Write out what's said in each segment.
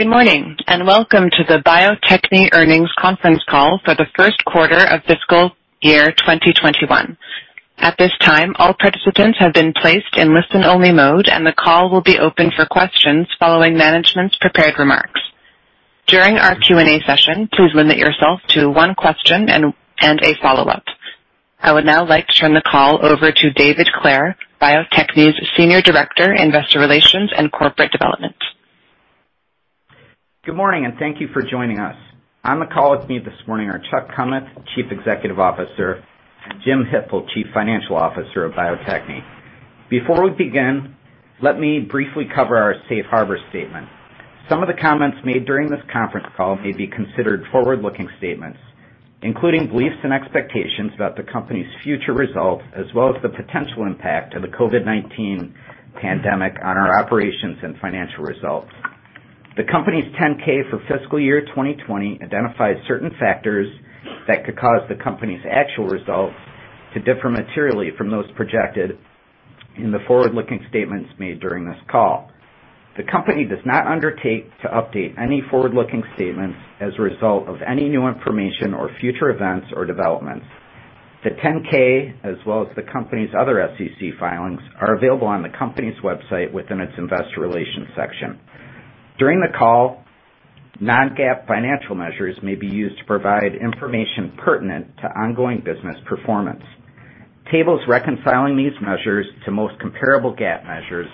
Good morning. Welcome to the Bio-Techne earnings conference call for the first quarter of fiscal year 2021. At this time, all participants have been placed in listen only mode. The call will be open for questions following management's prepared remarks. During our Q&A session, please limit yourself to one question and a follow-up. I would now like to turn the call over to David Clair, Bio-Techne's Senior Director, Investor Relations and Corporate Development. Good morning, and thank you for joining us. On the call with me this morning are Chuck Kummeth, Chief Executive Officer, Jim Hippel, Chief Financial Officer of Bio-Techne. Before we begin, let me briefly cover our safe harbor statement. Some of the comments made during this conference call may be considered forward-looking statements, including beliefs and expectations about the company's future results, as well as the potential impact of the COVID-19 pandemic on our operations and financial results. The company's 10-K for fiscal year 2020 identifies certain factors that could cause the company's actual results to differ materially from those projected in the forward-looking statements made during this call. The company does not undertake to update any forward-looking statements as a result of any new information or future events or developments. The 10-K, as well as the company's other SEC filings, are available on the company's website within its investor relations section. During the call, non-GAAP financial measures may be used to provide information pertinent to ongoing business performance. Tables reconciling these measures to most comparable GAAP measures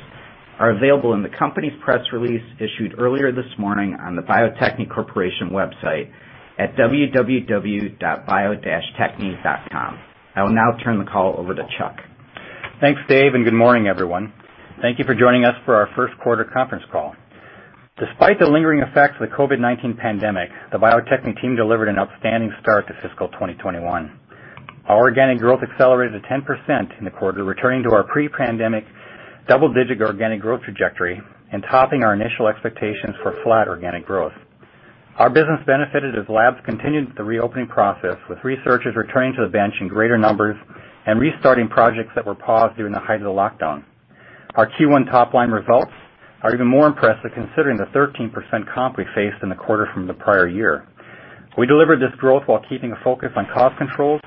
are available in the company's press release issued earlier this morning on the Bio-Techne Corporation website at www.bio-techne.com. I will now turn the call over to Chuck. Thanks, Dave. Good morning, everyone. Thank you for joining us for our first quarter conference call. Despite the lingering effects of the COVID-19 pandemic, the Bio-Techne team delivered an outstanding start to fiscal 2021. Our organic growth accelerated to 10% in the quarter, returning to our pre-pandemic double-digit organic growth trajectory and topping our initial expectations for flat organic growth. Our business benefited as labs continued with the reopening process, with researchers returning to the bench in greater numbers and restarting projects that were paused during the height of the lockdown. Our Q1 top-line results are even more impressive considering the 13% comp we faced in the quarter from the prior year. We delivered this growth while keeping a focus on cost controls,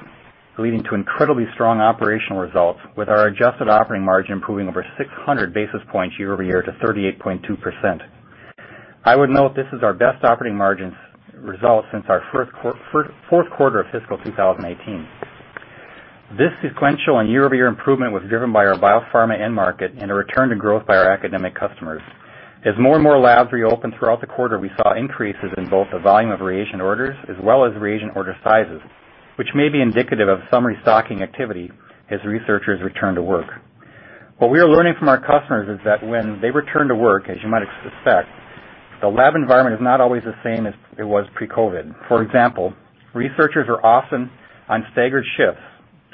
leading to incredibly strong operational results, with our adjusted operating margin improving over 600 basis points year-over-year to 38.2%. I would note this is our best operating margins result since our fourth quarter of fiscal 2018. This sequential and year-over-year improvement was driven by our biopharma end market and a return to growth by our academic customers. As more and more labs reopened throughout the quarter, we saw increases in both the volume of reagent orders as well as reagent order sizes, which may be indicative of some restocking activity as researchers return to work. What we are learning from our customers is that when they return to work, as you might expect, the lab environment is not always the same as it was pre-COVID. For example, researchers are often on staggered shifts,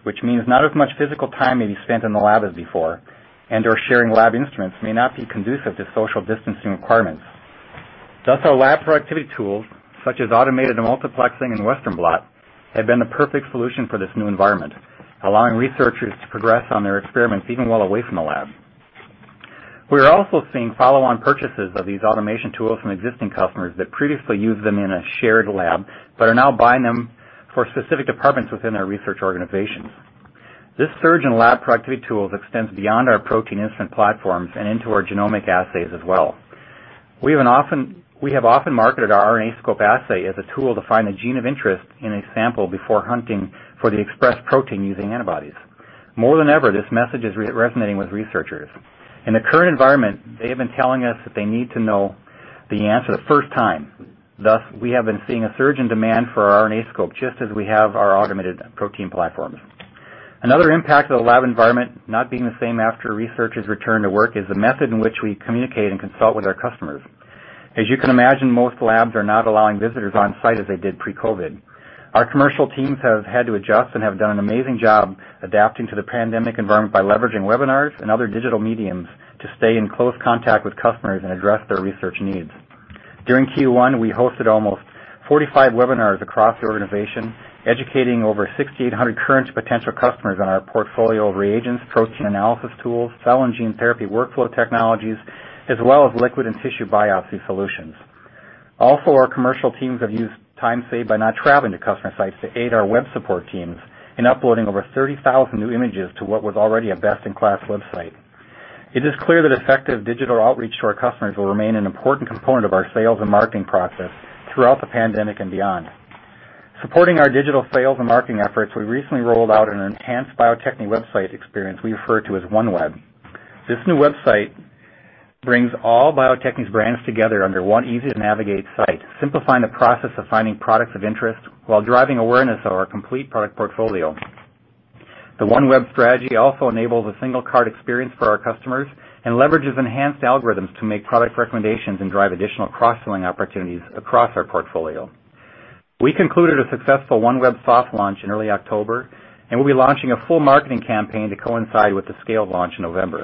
which means not as much physical time may be spent in the lab as before, and/or sharing lab instruments may not be conducive to social distancing requirements. Our lab productivity tools, such as automated multiplexing and Western blot, have been the perfect solution for this new environment, allowing researchers to progress on their experiments even while away from the lab. We are also seeing follow-on purchases of these automation tools from existing customers that previously used them in a shared lab but are now buying them for specific departments within their research organizations. This surge in lab productivity tools extends beyond our protein instrument platforms and into our genomic assays as well. We have often marketed our RNAscope assay as a tool to find a gene of interest in a sample before hunting for the expressed protein using antibodies. More than ever, this message is resonating with researchers. In the current environment, they have been telling us that they need to know the answer the first time. We have been seeing a surge in demand for our RNAscope, just as we have our automated protein platforms. Another impact of the lab environment not being the same after researchers return to work is the method in which we communicate and consult with our customers. As you can imagine, most labs are not allowing visitors on site as they did pre-COVID. Our commercial teams have had to adjust and have done an amazing job adapting to the pandemic environment by leveraging webinars and other digital mediums to stay in close contact with customers and address their research needs. During Q1, we hosted almost 45 webinars across the organization, educating over 6,800 current potential customers on our portfolio of reagents, protein analysis tools, cell and gene therapy workflow technologies, as well as liquid and tissue biopsy solutions. Also, our commercial teams have used time saved by not traveling to customer sites to aid our web support teams in uploading over 30,000 new images to what was already a best-in-class website. It is clear that effective digital outreach to our customers will remain an important component of our sales and marketing process throughout the pandemic and beyond. Supporting our digital sales and marketing efforts, we recently rolled out an enhanced Bio-Techne website experience we refer to as OneWeb. This new website brings all Bio-Techne's brands together under one easy-to-navigate site, simplifying the process of finding products of interest while driving awareness of our complete product portfolio. The OneWeb strategy also enables a single cart experience for our customers and leverages enhanced algorithms to make product recommendations and drive additional cross-selling opportunities across our portfolio. We concluded a successful OneWeb soft launch in early October. We'll be launching a full marketing campaign to coincide with the scaled launch in November.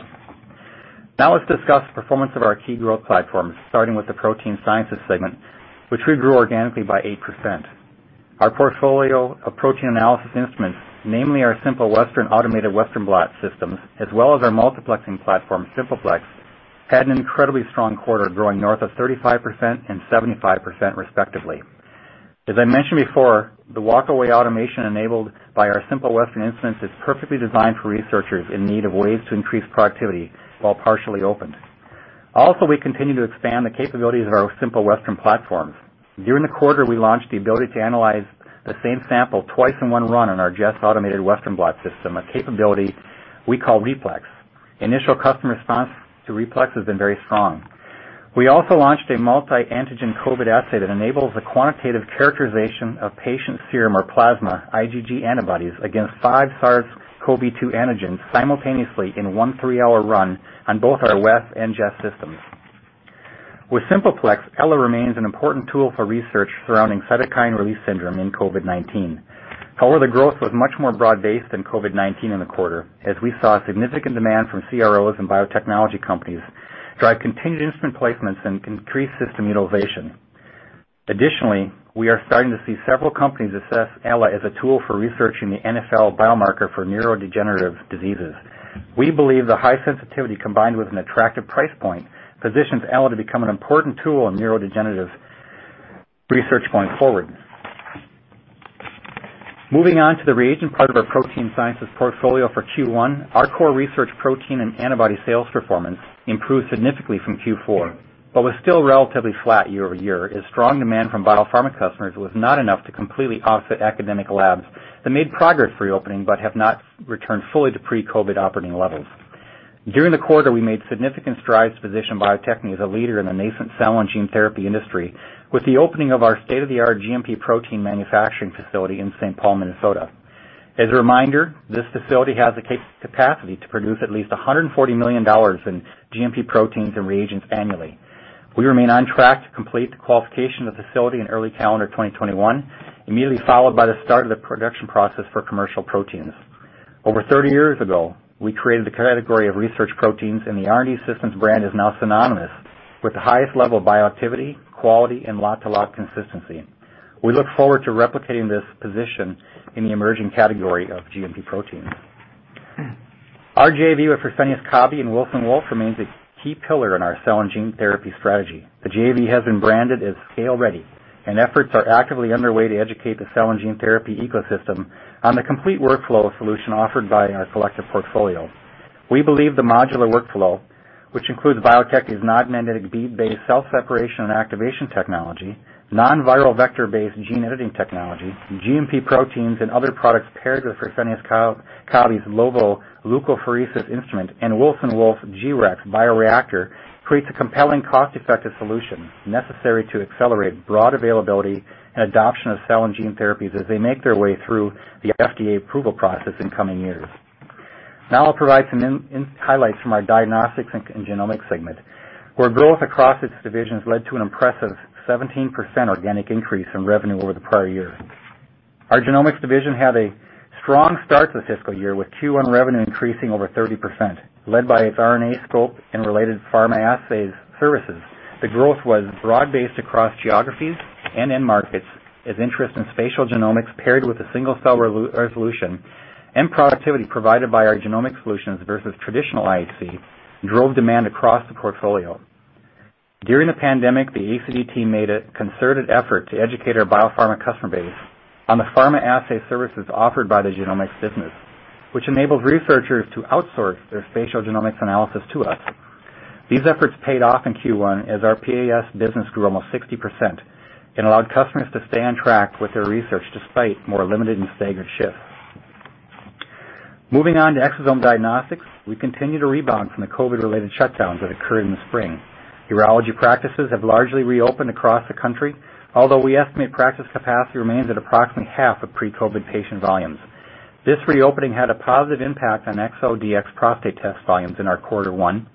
Let's discuss the performance of our key growth platforms, starting with the protein sciences segment, which we grew organically by 8%. Our portfolio of protein analysis instruments, namely our Simple Western automated Western blot systems, as well as our multiplexing platform, Simple Plex, had an incredibly strong quarter, growing north of 35% and 75% respectively. I mentioned before, the walk-away automation enabled by our Simple Western instruments is perfectly designed for researchers in need of ways to increase productivity while partially opened. We continue to expand the capabilities of our Simple Western platforms. During the quarter, we launched the ability to analyze the same sample twice in one run on our Jess automated Western blot system, a capability we call RePlex. Initial customer response to RePlex has been very strong. We also launched a multi-antigen COVID assay that enables the quantitative characterization of patient serum or plasma IgG antibodies against five SARS-CoV-2 antigens simultaneously in one three-hour run on both our Wes and Jess systems. With Simple Plex, Ella remains an important tool for research surrounding cytokine release syndrome in COVID-19. The growth was much more broad-based than COVID-19 in the quarter, as we saw significant demand from CROs and biotechnology companies drive contingent instrument placements and increased system utilization. We are starting to see several companies assess Ella as a tool for researching the NfL biomarker for neurodegenerative diseases. We believe the high sensitivity combined with an attractive price point positions Ella to become an important tool in neurodegenerative research going forward. Moving on to the reagent part of our protein sciences portfolio for Q1, our core research protein and antibody sales performance improved significantly from Q4, but was still relatively flat year-over-year, as strong demand from biopharma customers was not enough to completely offset academic labs that made progress reopening but have not returned fully to pre-COVID operating levels. During the quarter, we made significant strides to position Bio-Techne as a leader in the nascent cell and gene therapy industry with the opening of our state-of-the-art GMP protein manufacturing facility in St. Paul, Minnesota. As a reminder, this facility has the capacity to produce at least $140 million in GMP proteins and reagents annually. We remain on track to complete the qualification of the facility in early calendar 2021, immediately followed by the start of the production process for commercial proteins. Over 30 years ago, we created the category of research proteins, and the R&D Systems brand is now synonymous with the highest level of bioactivity, quality, and lot-to-lot consistency. We look forward to replicating this position in the emerging category of GMP proteins. Our JV with Fresenius Kabi and Wilson Wolf remains a key pillar in our cell and gene therapy strategy. The JV has been branded as ScaleReady, and efforts are actively underway to educate the cell and gene therapy ecosystem on the complete workflow solution offered by our collective portfolio. We believe the modular workflow, which includes Bio-Techne's non-magnetic bead-based cell separation and activation technology, non-viral vector-based gene editing technology, GMP proteins and other products paired with Fresenius Kabi's Lovo leukapheresis instrument and Wilson Wolf's G-Rex bioreactor, creates a compelling, cost-effective solution necessary to accelerate broad availability and adoption of cell and gene therapies as they make their way through the FDA approval process in coming years. I'll provide some highlights from our diagnostics and genomics segment, where growth across its divisions led to an impressive 17% organic increase in revenue over the prior year. Our genomics division had a strong start to the fiscal year, with Q1 revenue increasing over 30%, led by its RNAscope and related Pharma Assay Services. The growth was broad-based across geographies and end markets, as interest in spatial genomics paired with the single-cell resolution and productivity provided by our genomics solutions versus traditional IHC, drove demand across the portfolio. During the pandemic, the ACD team made a concerted effort to educate our biopharma customer base on the Pharma Assay Services offered by the genomics business, which enables researchers to outsource their spatial genomics analysis to us. These efforts paid off in Q1 as our PAS business grew almost 60% and allowed customers to stay on track with their research, despite more limited and staggered shifts. Moving on to Exosome Diagnostics, we continue to rebound from the COVID-related shutdowns that occurred in the spring. Urology practices have largely reopened across the country, although we estimate practice capacity remains at approximately half of pre-COVID patient volumes. This reopening had a positive impact on ExoDx Prostate test volumes in our quarter one.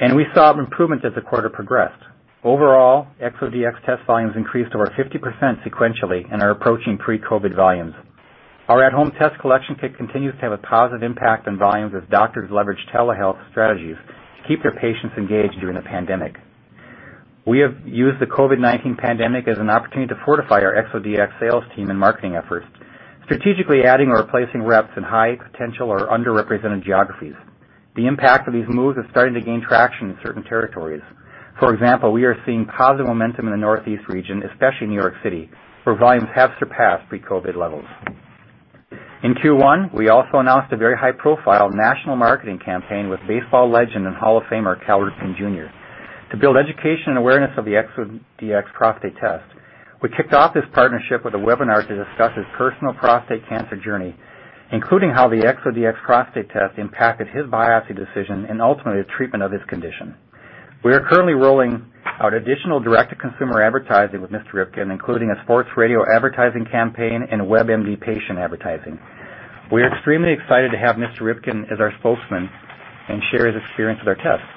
We saw improvements as the quarter progressed. Overall, ExoDx test volumes increased over 50% sequentially and are approaching pre-COVID volumes. Our at-home test collection kit continues to have a positive impact on volumes as doctors leverage telehealth strategies to keep their patients engaged during the pandemic. We have used the COVID-19 pandemic as an opportunity to fortify our ExoDx sales team and marketing efforts, strategically adding or replacing reps in high-potential or underrepresented geographies. The impact of these moves is starting to gain traction in certain territories. For example, we are seeing positive momentum in the Northeast region, especially New York City, where volumes have surpassed pre-COVID levels. In Q1, we also announced a very high-profile national marketing campaign with baseball legend and Hall of Famer Cal Ripken Jr. to build education and awareness of the ExoDx Prostate Test. We kicked off this partnership with a webinar to discuss his personal prostate cancer journey, including how the ExoDx Prostate Test impacted his biopsy decision and ultimately the treatment of his condition. We are currently rolling out additional direct-to-consumer advertising with Mr. Ripken, including a sports radio advertising campaign and WebMD patient advertising. We are extremely excited to have Mr. Ripken as our spokesman and share his experience with our test.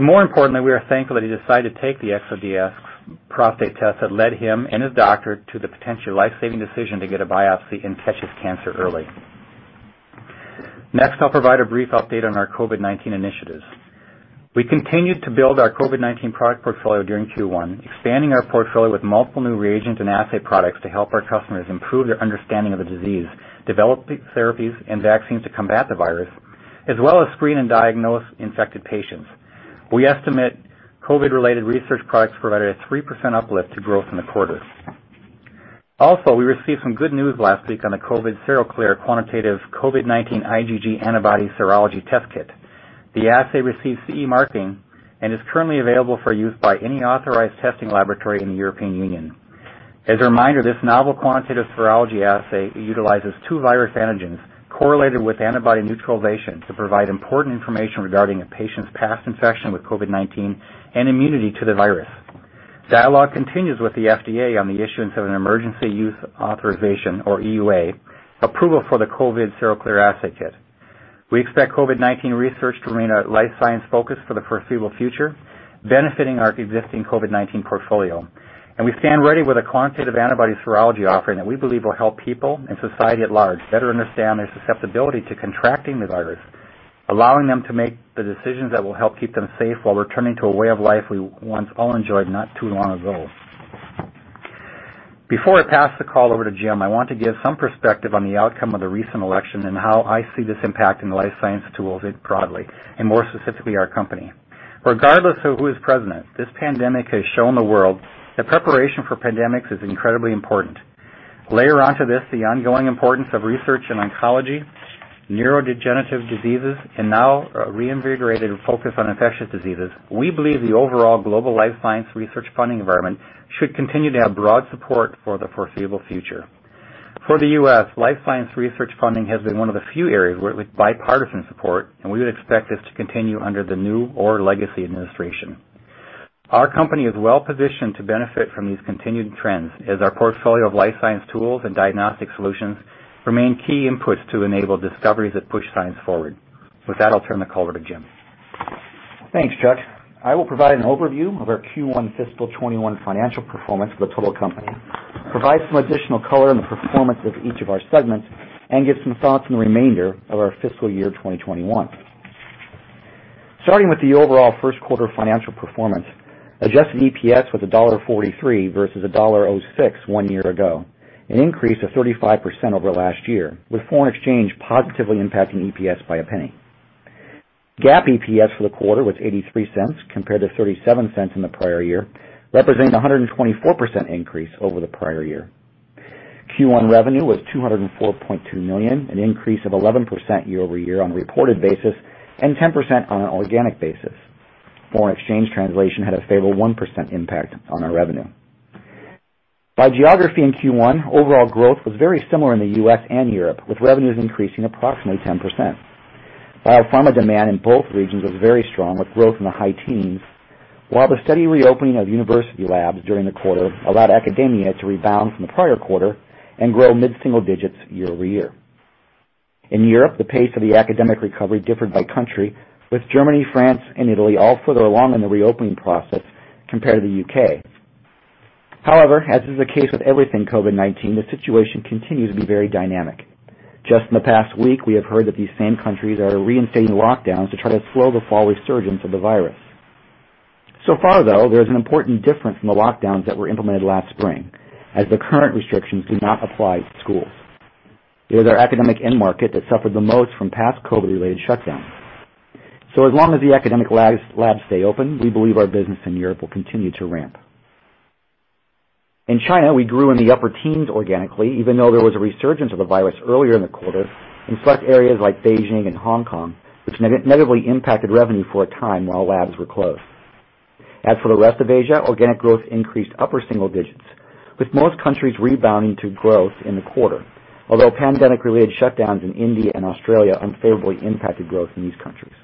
More importantly, we are thankful that he decided to take the ExoDx Prostate Test that led him and his doctor to the potential life-saving decision to get a biopsy and catch his cancer early. Next, I'll provide a brief update on our COVID-19 initiatives. We continued to build our COVID-19 product portfolio during Q1, expanding our portfolio with multiple new reagent and assay products to help our customers improve their understanding of the disease, develop therapies and vaccines to combat the virus, as well as screen and diagnose infected patients. We estimate COVID-related research products provided a 3% uplift to growth in the quarter. We received some good news last week on the COVID-SeroClear quantitative COVID-19 IgG antibody serology test kit. The assay received CE marking and is currently available for use by any authorized testing laboratory in the European Union. As a reminder, this novel quantitative serology assay utilizes two virus antigens correlated with antibody neutralization to provide important information regarding a patient's past infection with COVID-19 and immunity to the virus. Dialogue continues with the FDA on the issuance of an emergency use authorization, or EUA, approval for the COVID-SeroClear assay kit. We expect COVID-19 research to remain a life science focus for the foreseeable future, benefiting our existing COVID-19 portfolio. We stand ready with a quantitative antibody serology offering that we believe will help people and society at large better understand their susceptibility to contracting the virus, allowing them to make the decisions that will help keep them safe while returning to a way of life we once all enjoyed not too long ago. Before I pass the call over to Jim, I want to give some perspective on the outcome of the recent election and how I see this impacting life science tools broadly, and more specifically, our company. Regardless of who is president, this pandemic has shown the world that preparation for pandemics is incredibly important. Layer onto this the ongoing importance of research in oncology, neurodegenerative diseases, and now a reinvigorated focus on infectious diseases. We believe the overall global life science research funding environment should continue to have broad support for the foreseeable future. For the U.S., life science research funding has been one of the few areas with bipartisan support, and we would expect this to continue under the new or legacy administration. Our company is well-positioned to benefit from these continued trends as our portfolio of life science tools and diagnostic solutions remain key inputs to enable discoveries that push science forward. With that, I'll turn the call over to Jim. Thanks, Chuck. I will provide an overview of our Q1 fiscal 2021 financial performance for the total company, provide some additional color on the performance of each of our segments, and give some thoughts on the remainder of our fiscal year 2021. Starting with the overall first quarter financial performance, adjusted EPS was $1.43 versus $1.06 one year ago, an increase of 35% over last year, with foreign exchange positively impacting EPS by $0.01. GAAP EPS for the quarter was $0.83 compared to $0.37 in the prior year, representing a 124% increase over the prior year. Q1 revenue was $204.2 million, an increase of 11% year-over-year on a reported basis, and 10% on an organic basis. Foreign exchange translation had a favorable 1% impact on our revenue. By geography in Q1, overall growth was very similar in the U.S. and Europe, with revenues increasing approximately 10%. Biopharma demand in both regions was very strong, with growth in the high teens, while the steady reopening of university labs during the quarter allowed academia to rebound from the prior quarter and grow mid-single digits year-over-year. In Europe, the pace of the academic recovery differed by country, with Germany, France, and Italy all further along in the reopening process compared to the U.K. As is the case with everything COVID-19, the situation continues to be very dynamic. Just in the past week, we have heard that these same countries are reinstating lockdowns to try to slow the fall resurgence of the virus. Far, though, there is an important difference from the lockdowns that were implemented last spring, as the current restrictions do not apply to schools. It is our academic end market that suffered the most from past COVID-related shutdowns. As long as the academic labs stay open, we believe our business in Europe will continue to ramp. In China, we grew in the upper teens organically, even though there was a resurgence of the virus earlier in the quarter in select areas like Beijing and Hong Kong, which negatively impacted revenue for a time while labs were closed. As for the rest of Asia, organic growth increased upper single digits, with most countries rebounding to growth in the quarter, although pandemic-related shutdowns in India and Australia unfavorably impacted growth in these countries.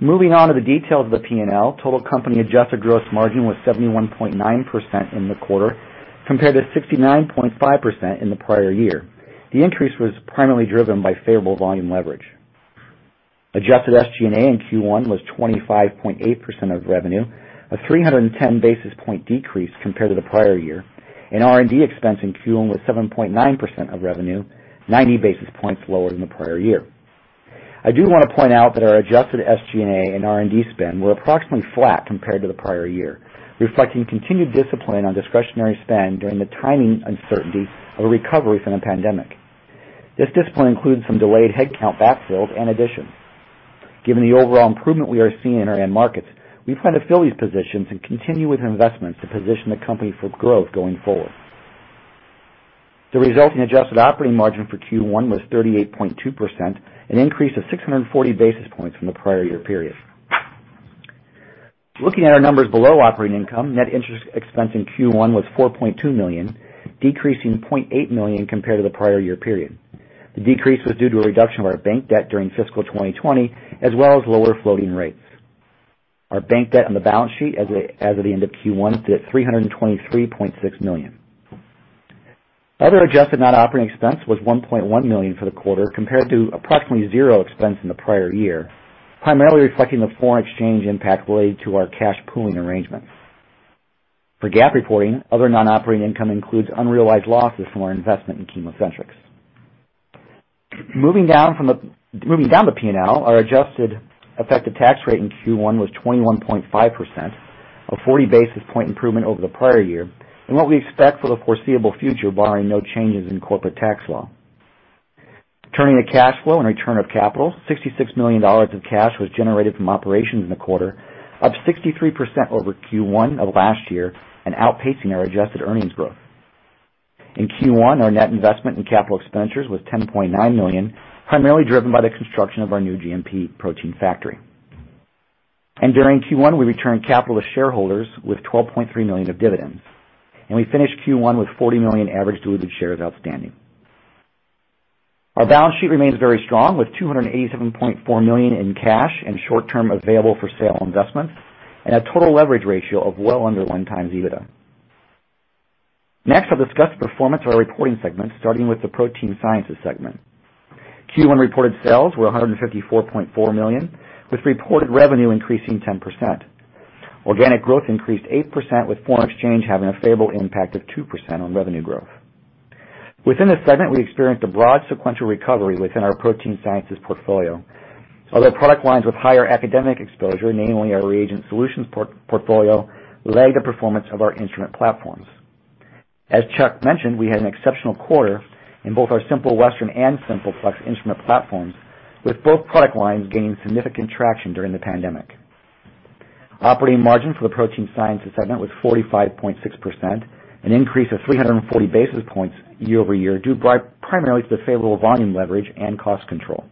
Moving on to the details of the P&L, total company adjusted gross margin was 71.9% in the quarter, compared to 69.5% in the prior year. The increase was primarily driven by favorable volume leverage. Adjusted SG&A in Q1 was 25.8% of revenue, a 310-basis-point decrease compared to the prior year, and R&D expense in Q1 was 7.9% of revenue, 90 basis points lower than the prior year. I do want to point out that our adjusted SG&A and R&D spend were approximately flat compared to the prior year, reflecting continued discipline on discretionary spend during the timing uncertainty of a recovery from the pandemic. This discipline includes some delayed headcount backfills and additions. Given the overall improvement we are seeing in our end markets, we plan to fill these positions and continue with investments to position the company for growth going forward. The resulting adjusted operating margin for Q1 was 38.2%, an increase of 640 basis points from the prior year period. Looking at our numbers below operating income, net interest expense in Q1 was $4.2 million, decreasing $0.8 million compared to the prior year period. The decrease was due to a reduction of our bank debt during fiscal 2020, as well as lower floating rates. Our bank debt on the balance sheet as of the end of Q1 stood at $323.6 million. Other adjusted non-operating expense was $1.1 million for the quarter, compared to approximately zero expense in the prior year, primarily reflecting the foreign exchange impact related to our cash pooling arrangements. For GAAP reporting, other non-operating income includes unrealized losses from our investment in ChemoCentryx. Moving down the P&L, our adjusted effective tax rate in Q1 was 21.5%, a 40 basis point improvement over the prior year and what we expect for the foreseeable future, barring no changes in corporate tax law. Turning to cash flow and return of capital, $66 million of cash was generated from operations in the quarter, up 63% over Q1 of last year and outpacing our adjusted earnings growth. In Q1, our net investment in capital expenditures was $10.9 million, primarily driven by the construction of our new GMP protein factory. During Q1, we returned capital to shareholders with $12.3 million of dividends, and we finished Q1 with 40 million average diluted shares outstanding. Our balance sheet remains very strong, with $287.4 million in cash and short-term available-for-sale investments and a total leverage ratio of well under 1x EBITDA. Next, I'll discuss the performance of our reporting segments, starting with the protein sciences segment. Q1 reported sales were $154.4 million, with reported revenue increasing 10%. Organic growth increased 8%, with foreign exchange having a favorable impact of 2% on revenue growth. Within the segment, we experienced a broad sequential recovery within our protein sciences portfolio. Other product lines with higher academic exposure, namely our reagent solutions portfolio, lag the performance of our instrument platforms. As Chuck mentioned, we had an exceptional quarter in both our Simple Western and Simple Plex instrument platforms, with both product lines gaining significant traction during the pandemic. Operating margin for the protein sciences segment was 45.6%, an increase of 340 basis points year-over-year, due primarily to the favorable volume leverage and cost control.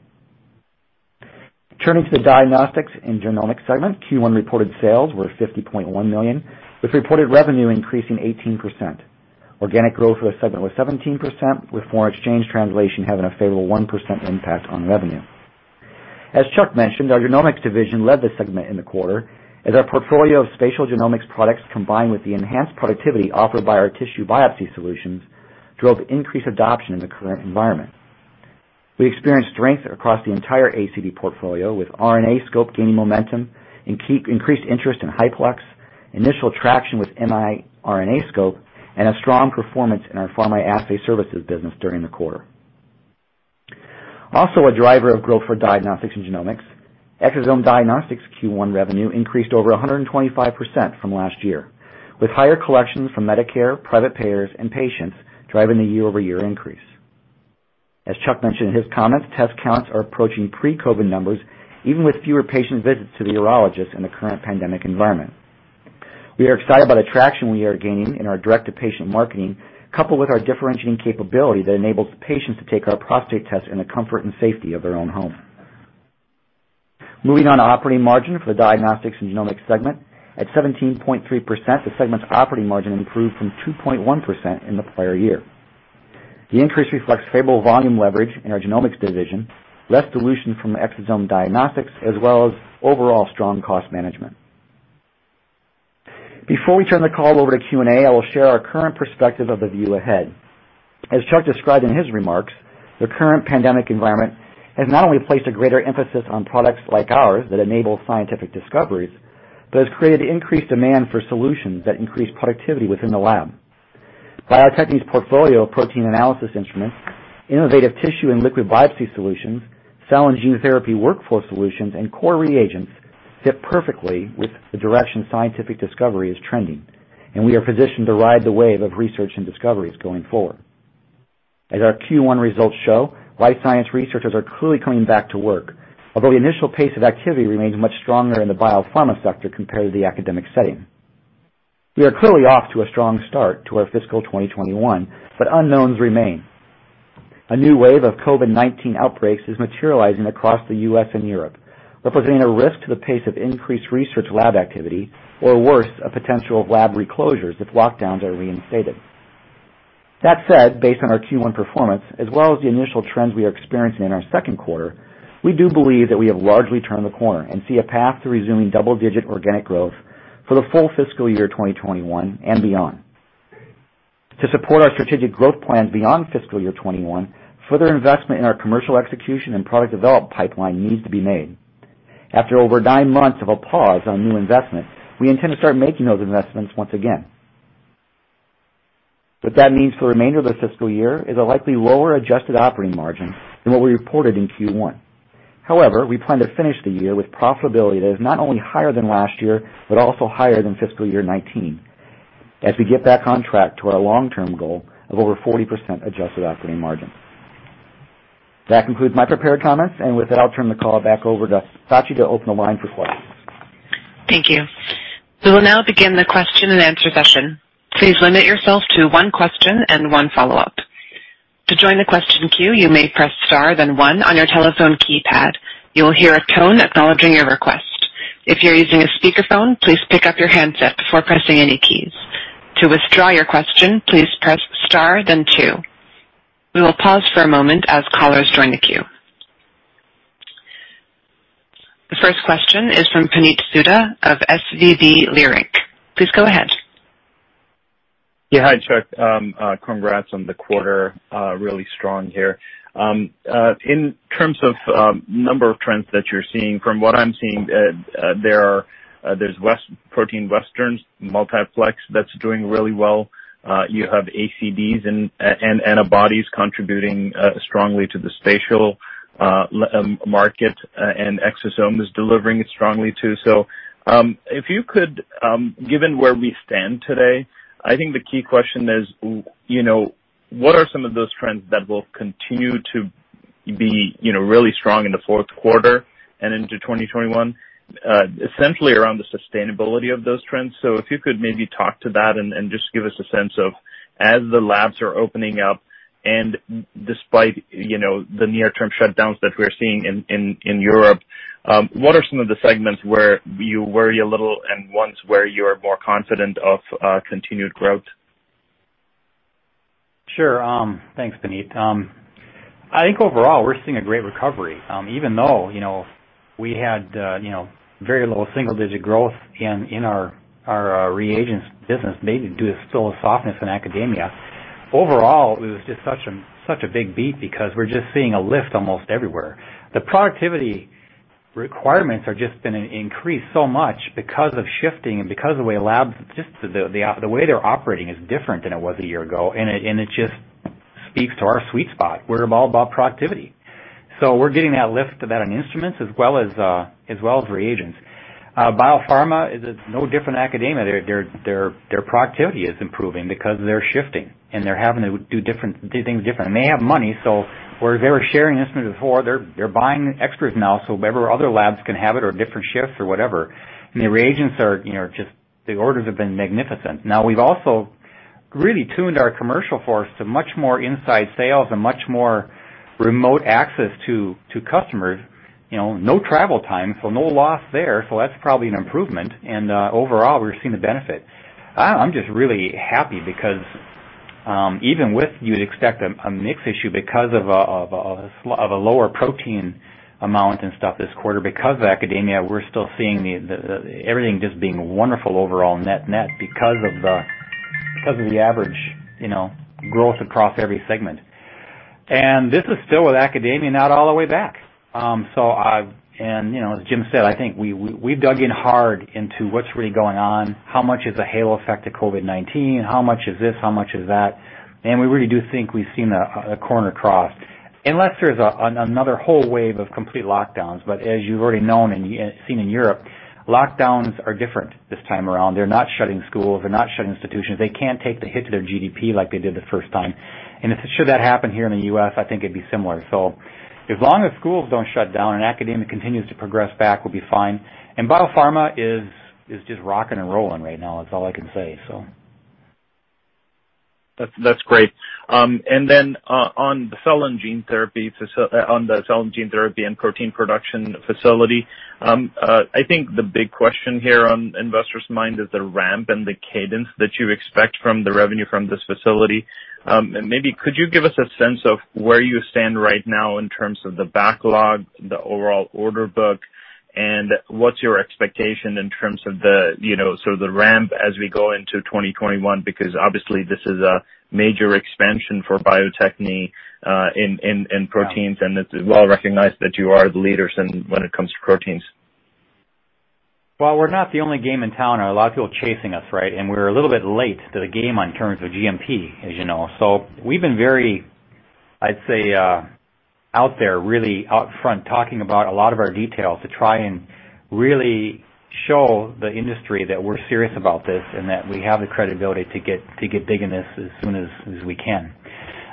Turning to the diagnostics and genomics segment, Q1 reported sales were $50.1 million, with reported revenue increasing 18%. Organic growth for the segment was 17%, with foreign exchange translation having a favorable 1% impact on revenue. As Chuck mentioned, our genomics division led the segment in the quarter as our portfolio of spatial genomics products, combined with the enhanced productivity offered by our tissue biopsy solutions, drove increased adoption in the current environment. We experienced strength across the entire ACD portfolio, with RNAscope gaining momentum, increased interest in HiPlex, initial traction with miRNAscope, and a strong performance in our Pharma Assay Services business during the quarter. Also a driver of growth for diagnostics and genomics, Exosome Diagnostics Q1 revenue increased over 125% from last year, with higher collections from Medicare, private payers, and patients driving the year-over-year increase. As Chuck mentioned in his comments, test counts are approaching pre-COVID numbers, even with fewer patient visits to the urologist in the current pandemic environment. We are excited about the traction we are gaining in our direct-to-patient marketing, coupled with our differentiating capability that enables patients to take our prostate test in the comfort and safety of their own home. Moving on to operating margin for the Diagnostics and Genomics segment. At 17.3%, the segment's operating margin improved from 2.1% in the prior year. The increase reflects favorable volume leverage in our genomics division, less dilution from Exosome Diagnostics, as well as overall strong cost management. Before we turn the call over to Q&A, I will share our current perspective of the view ahead. As Chuck described in his remarks, the current pandemic environment has not only placed a greater emphasis on products like ours that enable scientific discoveries, but has created increased demand for solutions that increase productivity within the lab. Bio-Techne's portfolio of protein analysis instruments, innovative tissue and liquid biopsy solutions, cell and gene therapy workflow solutions, and core reagents fit perfectly with the direction scientific discovery is trending, and we are positioned to ride the wave of research and discoveries going forward. As our Q1 results show, life science researchers are clearly coming back to work. Although the initial pace of activity remains much stronger in the biopharma sector compared to the academic setting. We are clearly off to a strong start to our fiscal 2021, but unknowns remain. A new wave of COVID-19 outbreaks is materializing across the U.S. and Europe, representing a risk to the pace of increased research lab activity, or worse, a potential of lab reclosures if lockdowns are reinstated. That said, based on our Q1 performance, as well as the initial trends we are experiencing in our second quarter, we do believe that we have largely turned the corner and see a path to resuming double-digit organic growth for the full fiscal year 2021 and beyond. To support our strategic growth plans beyond fiscal year 2021, further investment in our commercial execution and product development pipeline needs to be made. After over nine months of a pause on new investment, we intend to start making those investments once again. What that means for the remainder of the fiscal year is a likely lower adjusted operating margin than what we reported in Q1. We plan to finish the year with profitability that is not only higher than last year, but also higher than fiscal year 2019, as we get back on track to our long-term goal of over 40% adjusted operating margin. That concludes my prepared comments, and with that, I'll turn the call back over to Sachi to open the line for questions. Thank you. We will now begin the question and answer session. Please limit yourself to one question and one follow-up. To join the question queue, you may press star, then one on your telephone keypad. You will hear a tone acknowledging your request. If you're using a speakerphone, please pick up your handset before pressing any keys. To withdraw your question, please press star, then two. We will pause for a moment as callers join the queue. The first question is from Puneet Souda of SVB Leerink. Please go ahead. Yeah. Hi, Chuck. Congrats on the quarter. Really strong here. In terms of number of trends that you're seeing, from what I'm seeing, there's protein Westerns multiplex that's doing really well. You have ACDs and antibodies contributing strongly to the spatial market, and exosome is delivering it strongly, too. If you could, given where we stand today, I think the key question is, what are some of those trends that will continue to be really strong in the fourth quarter and into 2021, essentially around the sustainability of those trends. If you could maybe talk to that and just give us a sense of, as the labs are opening up and despite the near-term shutdowns that we're seeing in Europe, what are some of the segments where you worry a little and ones where you're more confident of continued growth? Sure. Thanks, Puneet. I think overall, we're seeing a great recovery. Though we had very low single-digit growth in our reagents business, mainly due to still a softness in academia. Overall, it was just such a big beat because we're just seeing a lift almost everywhere. The productivity requirements are just been increased so much because of shifting and because of the way labs, the way they're operating is different than it was a year ago, and it just speaks to our sweet spot. We're all about productivity. We're getting that lift of that on instruments as well as reagents. Biopharma is no different than academia. Their productivity is improving because they're shifting, and they're having to do things different. They have money, so where they were sharing instruments before, they're buying extras now, so other labs can have it or different shifts or whatever. The orders have been magnificent. We've also really tuned our commercial force to much more inside sales and much more remote access to customers. No travel time, so no loss there, so that's probably an improvement. Overall, we're seeing the benefit. I'm just really happy because even with you'd expect a mix issue because of a lower protein amount and stuff this quarter, because of academia, we're still seeing everything just being wonderful overall net net because of the average growth across every segment. This is still with academia not all the way back. As Jim said, I think we've dug in hard into what's really going on, how much is a halo effect of COVID-19, how much is this, how much is that, and we really do think we've seen a corner crossed, unless there's another whole wave of complete lockdowns. As you've already known and seen in Europe, lockdowns are different this time around. They're not shutting schools. They're not shutting institutions. They can't take the hit to their GDP like they did the first time. Should that happen here in the U.S., I think it'd be similar. As long as schools don't shut down and academia continues to progress back, we'll be fine. Biopharma is just rocking and rolling right now. That's all I can say. That's great. On the cell and gene therapy and protein production facility, I think the big question here on investors' mind is the ramp and the cadence that you expect from the revenue from this facility. Maybe could you give us a sense of where you stand right now in terms of the backlog, the overall order book, and what's your expectation in terms of the ramp as we go into 2021? Because obviously this is a major expansion for Bio-Techne in proteins, and it's well recognized that you are the leaders when it comes to proteins. Well, we're not the only game in town. There are a lot of people chasing us, right? We're a little bit late to the game in terms of GMP, as you know. We've been very, I'd say, out there, really out front, talking about a lot of our details to try and really show the industry that we're serious about this and that we have the credibility to get big in this as soon as we can.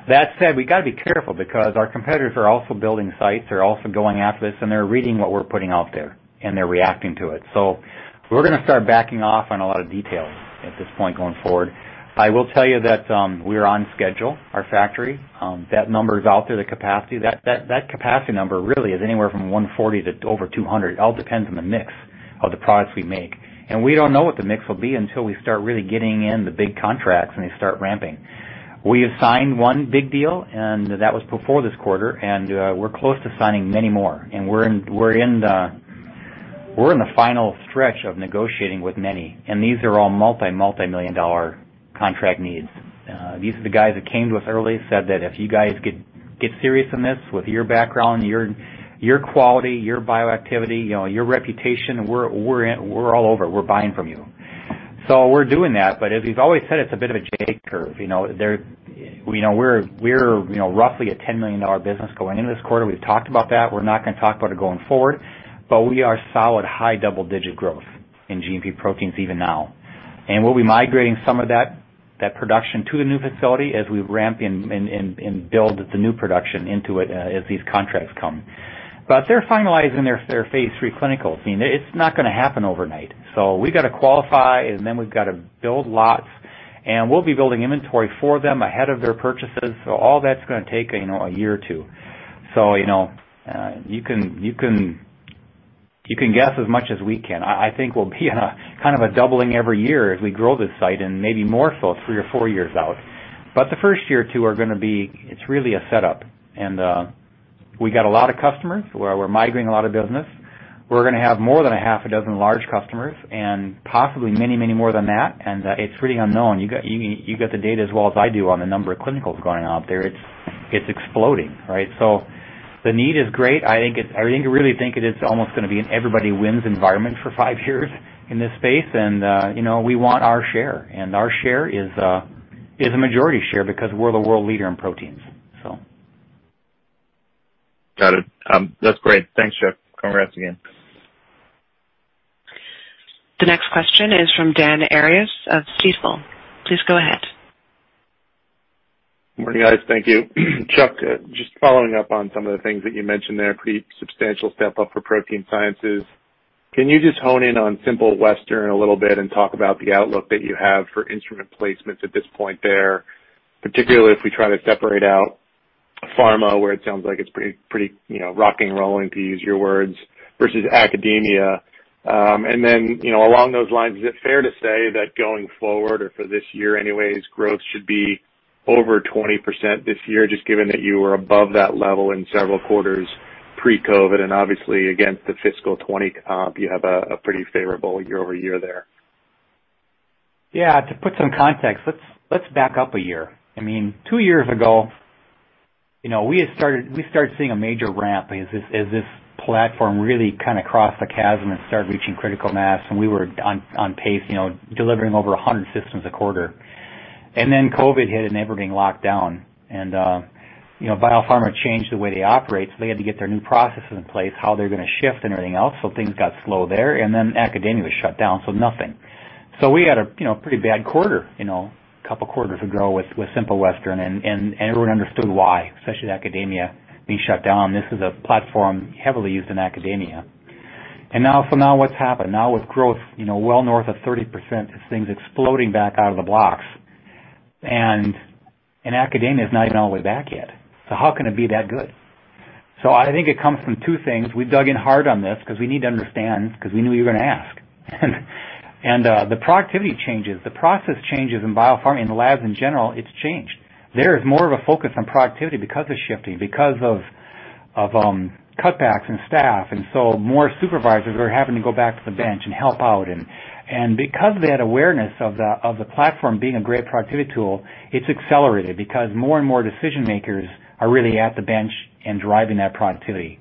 That said, we got to be careful because our competitors are also building sites, they're also going after this, and they're reading what we're putting out there, and they're reacting to it. We're going to start backing off on a lot of details at this point going forward. I will tell you that we're on schedule, our factory. That number is out there, the capacity. That capacity number really is anywhere from $140 million to over $200 million. It all depends on the mix of the products we make. We don't know what the mix will be until we start really getting in the big contracts and they start ramping. We have signed one big deal, and that was before this quarter, and we're close to signing many more. We're in the final stretch of negotiating with many, and these are all multi-million dollar contract needs. These are the guys that came to us early, said that, "If you guys get serious in this with your background, your quality, your bioactivity, your reputation, we're all over it. We're buying from you." We're doing that. As we've always said, it's a bit of a J curve. We're roughly a $10 million business going into this quarter. We've talked about that. We're not going to talk about it going forward. We are solid high double-digit growth in GMP proteins even now. We'll be migrating some of that production to the new facility as we ramp and build the new production into it as these contracts come. They're finalizing their phase III clinicals. It's not going to happen overnight. We got to qualify, then we've got to build lots, and we'll be building inventory for them ahead of their purchases. All that's going to take a year or two. You can guess as much as we can. I think we'll be in a kind of a doubling every year as we grow this site and maybe more so three or four years out. The first year or two are going to be, it's really a setup. We got a lot of customers where we're migrating a lot of business. We're going to have more than a half a dozen large customers and possibly many more than that. It's pretty unknown. You got the data as well as I do on the number of clinicals going out there. It's exploding, right? The need is great. I really think it is almost going to be an everybody wins environment for five years in this space. We want our share. Our share is a majority share because we're the world leader in proteins. Got it. That's great. Thanks, Chuck. Congrats again. The next question is from Dan Arias of Stifel. Please go ahead. Morning, guys. Thank you. Chuck, just following up on some of the things that you mentioned there, pretty substantial step up for ProteinSimple. Can you just hone in on Simple Western a little bit and talk about the outlook that you have for instrument placements at this point there, particularly if we try to separate out pharma, where it sounds like it's pretty rocking and rolling, to use your words, versus academia. Along those lines, is it fair to say that going forward or for this year anyways, growth should be over 20% this year, just given that you were above that level in several quarters pre-COVID, and obviously against the fiscal 2020 comp, you have a pretty favorable year-over-year there. Yeah, to put some context, let's back up a year. Two years ago, we started seeing a major ramp as this platform really kind of crossed the chasm and started reaching critical mass, and we were on pace delivering over 100 systems a quarter. COVID hit and everybody locked down. Biopharma changed the way they operate, so they had to get their new processes in place, how they're going to shift and everything else, so things got slow there, and then academia shut down, so nothing. We had a pretty bad quarter a couple quarters ago with Simple Western and everyone understood why, especially with academia being shut down. This is a platform heavily used in academia. Now, so now what's happened? Now with growth well north of 30%, this thing's exploding back out of the blocks and academia is not even all the way back yet. How can it be that good? I think it comes from two things. We dug in hard on this because we need to understand, because we knew you were going to ask. The productivity changes, the process changes in biopharma, in the labs in general, it's changed. There is more of a focus on productivity because of shifting, because of cutbacks in staff, and so more supervisors are having to go back to the bench and help out. Because of that awareness of the platform being a great productivity tool, it's accelerated because more and more decision makers are really at the bench and driving that productivity.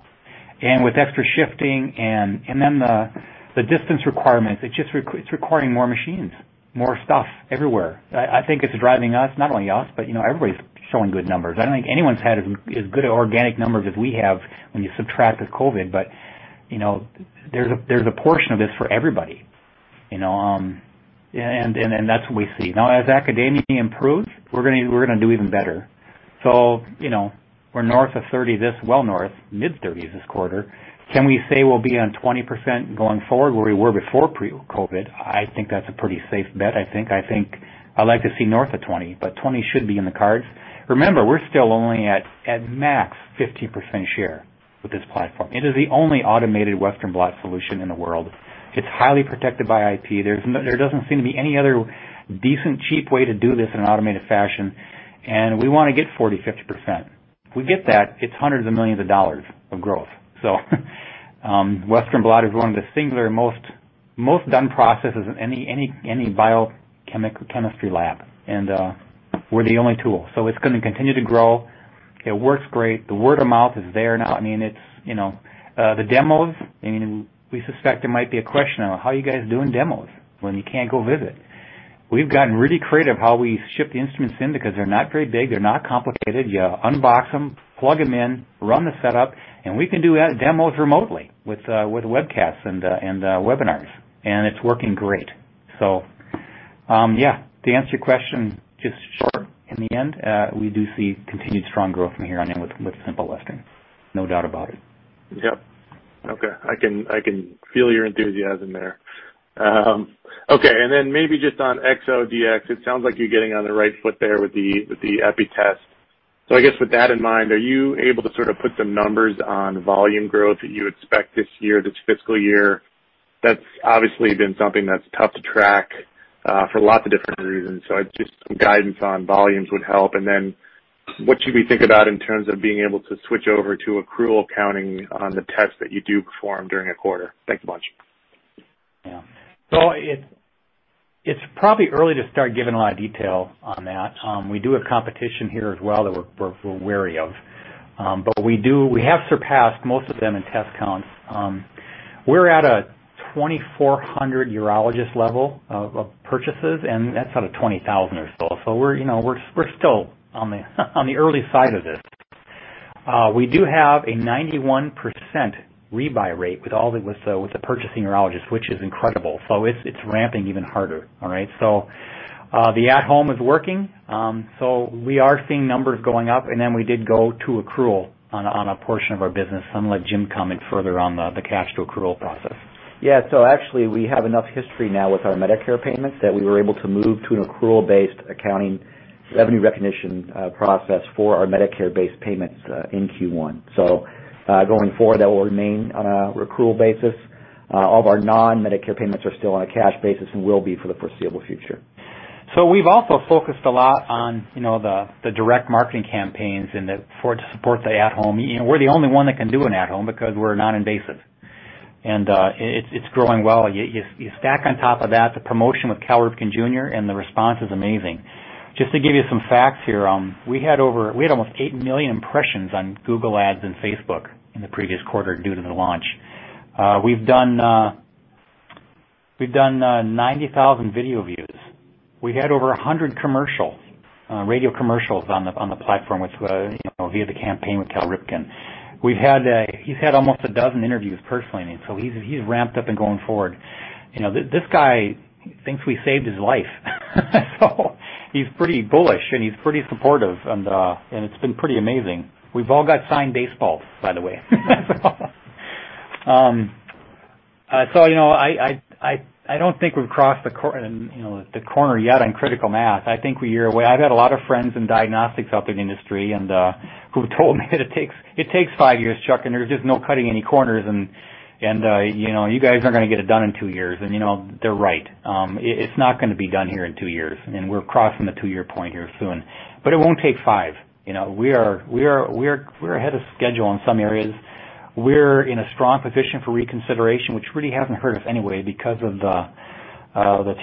With extra shifting and then the distance requirements, it's requiring more machines, more stuff everywhere. I think it's driving us, not only us, but everybody's showing good numbers. I don't think anyone's had as good organic numbers as we have when you subtract the COVID, but there's a portion of this for everybody. That's what we see. Now, as academia improves, we're going to do even better. We're north of 30% well north, mid-30% this quarter. Can we say we'll be on 20% going forward where we were before COVID? I think that's a pretty safe bet. I think I'd like to see north of 20%, but 20% should be in the cards. Remember, we're still only at, max, 15% share with this platform. It is the only automated Western blot solution in the world. It's highly protected by IP. There doesn't seem to be any other decent, cheap way to do this in an automated fashion, and we want to get 40%, 50%. If we get that, it's hundreds of millions of dollars of growth. Western blot is one of the singular most done processes in any biochemistry lab and we're the only tool. It's going to continue to grow. It works great. The word of mouth is there now. The demos, we suspect there might be a question on how you guys doing demos when you can't go visit. We've gotten really creative how we ship the instruments in because they're not very big. They're not complicated. You unbox them, plug them in, run the setup, and we can do demos remotely with webcasts and webinars, and it's working great. Yeah, to answer your question, just short in the end, we do see continued strong growth from here on in with Simple Western. No doubt about it. Yep. Okay. I can feel your enthusiasm there. Then maybe just on ExoDx, it sounds like you're getting on the right foot there with the EPI test. I guess with that in mind, are you able to sort of put some numbers on volume growth that you expect this year, this fiscal year? That's obviously been something that's tough to track for lots of different reasons. Just some guidance on volumes would help, and then what should we think about in terms of being able to switch over to accrual accounting on the tests that you do perform during a quarter? Thanks a bunch. Yeah. It's probably early to start giving a lot of detail on that. We do have competition here as well that we're wary of. We have surpassed most of them in test counts. We're at a 2,400 urologist level of purchases, and that's out of 20,000 or so. We're still on the early side of this. We do have a 91% rebuy rate with the purchasing urologists, which is incredible. It's ramping even harder. All right. The at home is working, so we are seeing numbers going up, and then we did go to accrual on a portion of our business. I'm going to let Jim comment further on the cash to accrual process. Yeah. Actually, we have enough history now with our Medicare payments that we were able to move to an accrual-based accounting revenue recognition process for our Medicare-based payments in Q1. Going forward, that will remain on an accrual basis. All of our non-Medicare payments are still on a cash basis and will be for the foreseeable future. We've also focused a lot on the direct marketing campaigns and for it to support the at-home. We're the only one that can do an at-home because we're non-invasive. It's growing well. You stack on top of that the promotion with Cal Ripken Jr., and the response is amazing. Just to give you some facts here, we had almost 8 million impressions on Google Ads and Facebook in the previous quarter due to the launch. We've done 90,000 video views. We had over 100 commercials, radio commercials on the platform via the campaign with Cal Ripken. He's had almost a dozen interviews personally, he's ramped up and going forward. This guy thinks we saved his life he's pretty bullish and he's pretty supportive and it's been pretty amazing. We've all got signed baseballs, by the way. I don't think we've crossed the corner yet on critical mass. I've had a lot of friends in diagnostics out in the industry who've told me that it takes five years, Chuck, there's just no cutting any corners and you guys aren't going to get it done in two years, they're right. It's not going to be done here in two years, we're crossing the two-year point here soon. It won't take five. We're ahead of schedule in some areas. We're in a strong position for reconsideration, which really hasn't hurt us anyway because of the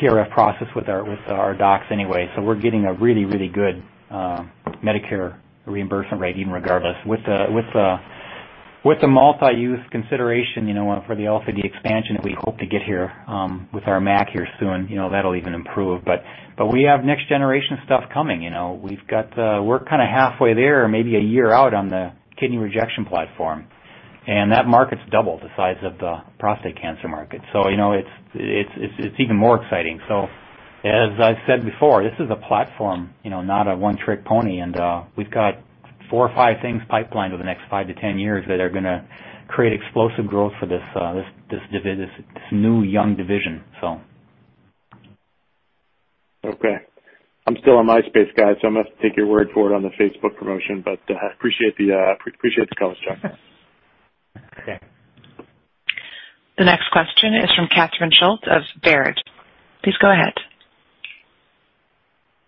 TRF process with our docs anyway, we're getting a really, really good Medicare reimbursement rating regardless. With the multi-use consideration for the LDT expansion that we hope to get here with our MAC here soon, that'll even improve. We have next generation stuff coming. We're kind of halfway there, maybe a year out on the kidney rejection platform, and that market's double the size of the prostate cancer market. It's even more exciting. As I've said before, this is a platform, not a one-trick pony, and we've got four or five things pipelined over the next 5-10 years that are going to create explosive growth for this new young division. Okay. I'm still on MySpace, guys, so I'm going to have to take your word for it on the Facebook promotion. Appreciate the comments, Chuck. Okay. The next question is from Catherine Schulte of Baird. Please go ahead.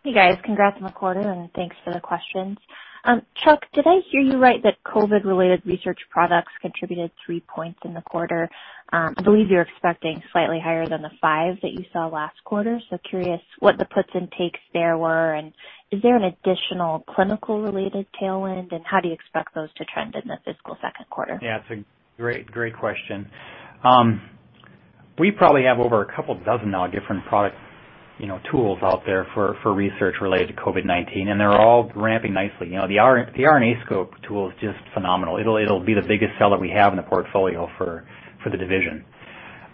Hey, guys. Congrats on the quarter, and thanks for the questions. Chuck, did I hear you right that COVID-related research products contributed 3 percentage points in the quarter? I believe you're expecting slightly higher than the 5 percentage point that you saw last quarter. Curious what the puts and takes there were. Is there an additional clinical-related tailwind, and how do you expect those to trend in the fiscal second quarter? Yeah, it's a great question. We probably have over a couple dozen now different product tools out there for research related to COVID-19, and they're all ramping nicely. The RNAscope tool is just phenomenal. It'll be the biggest seller we have in the portfolio for the division.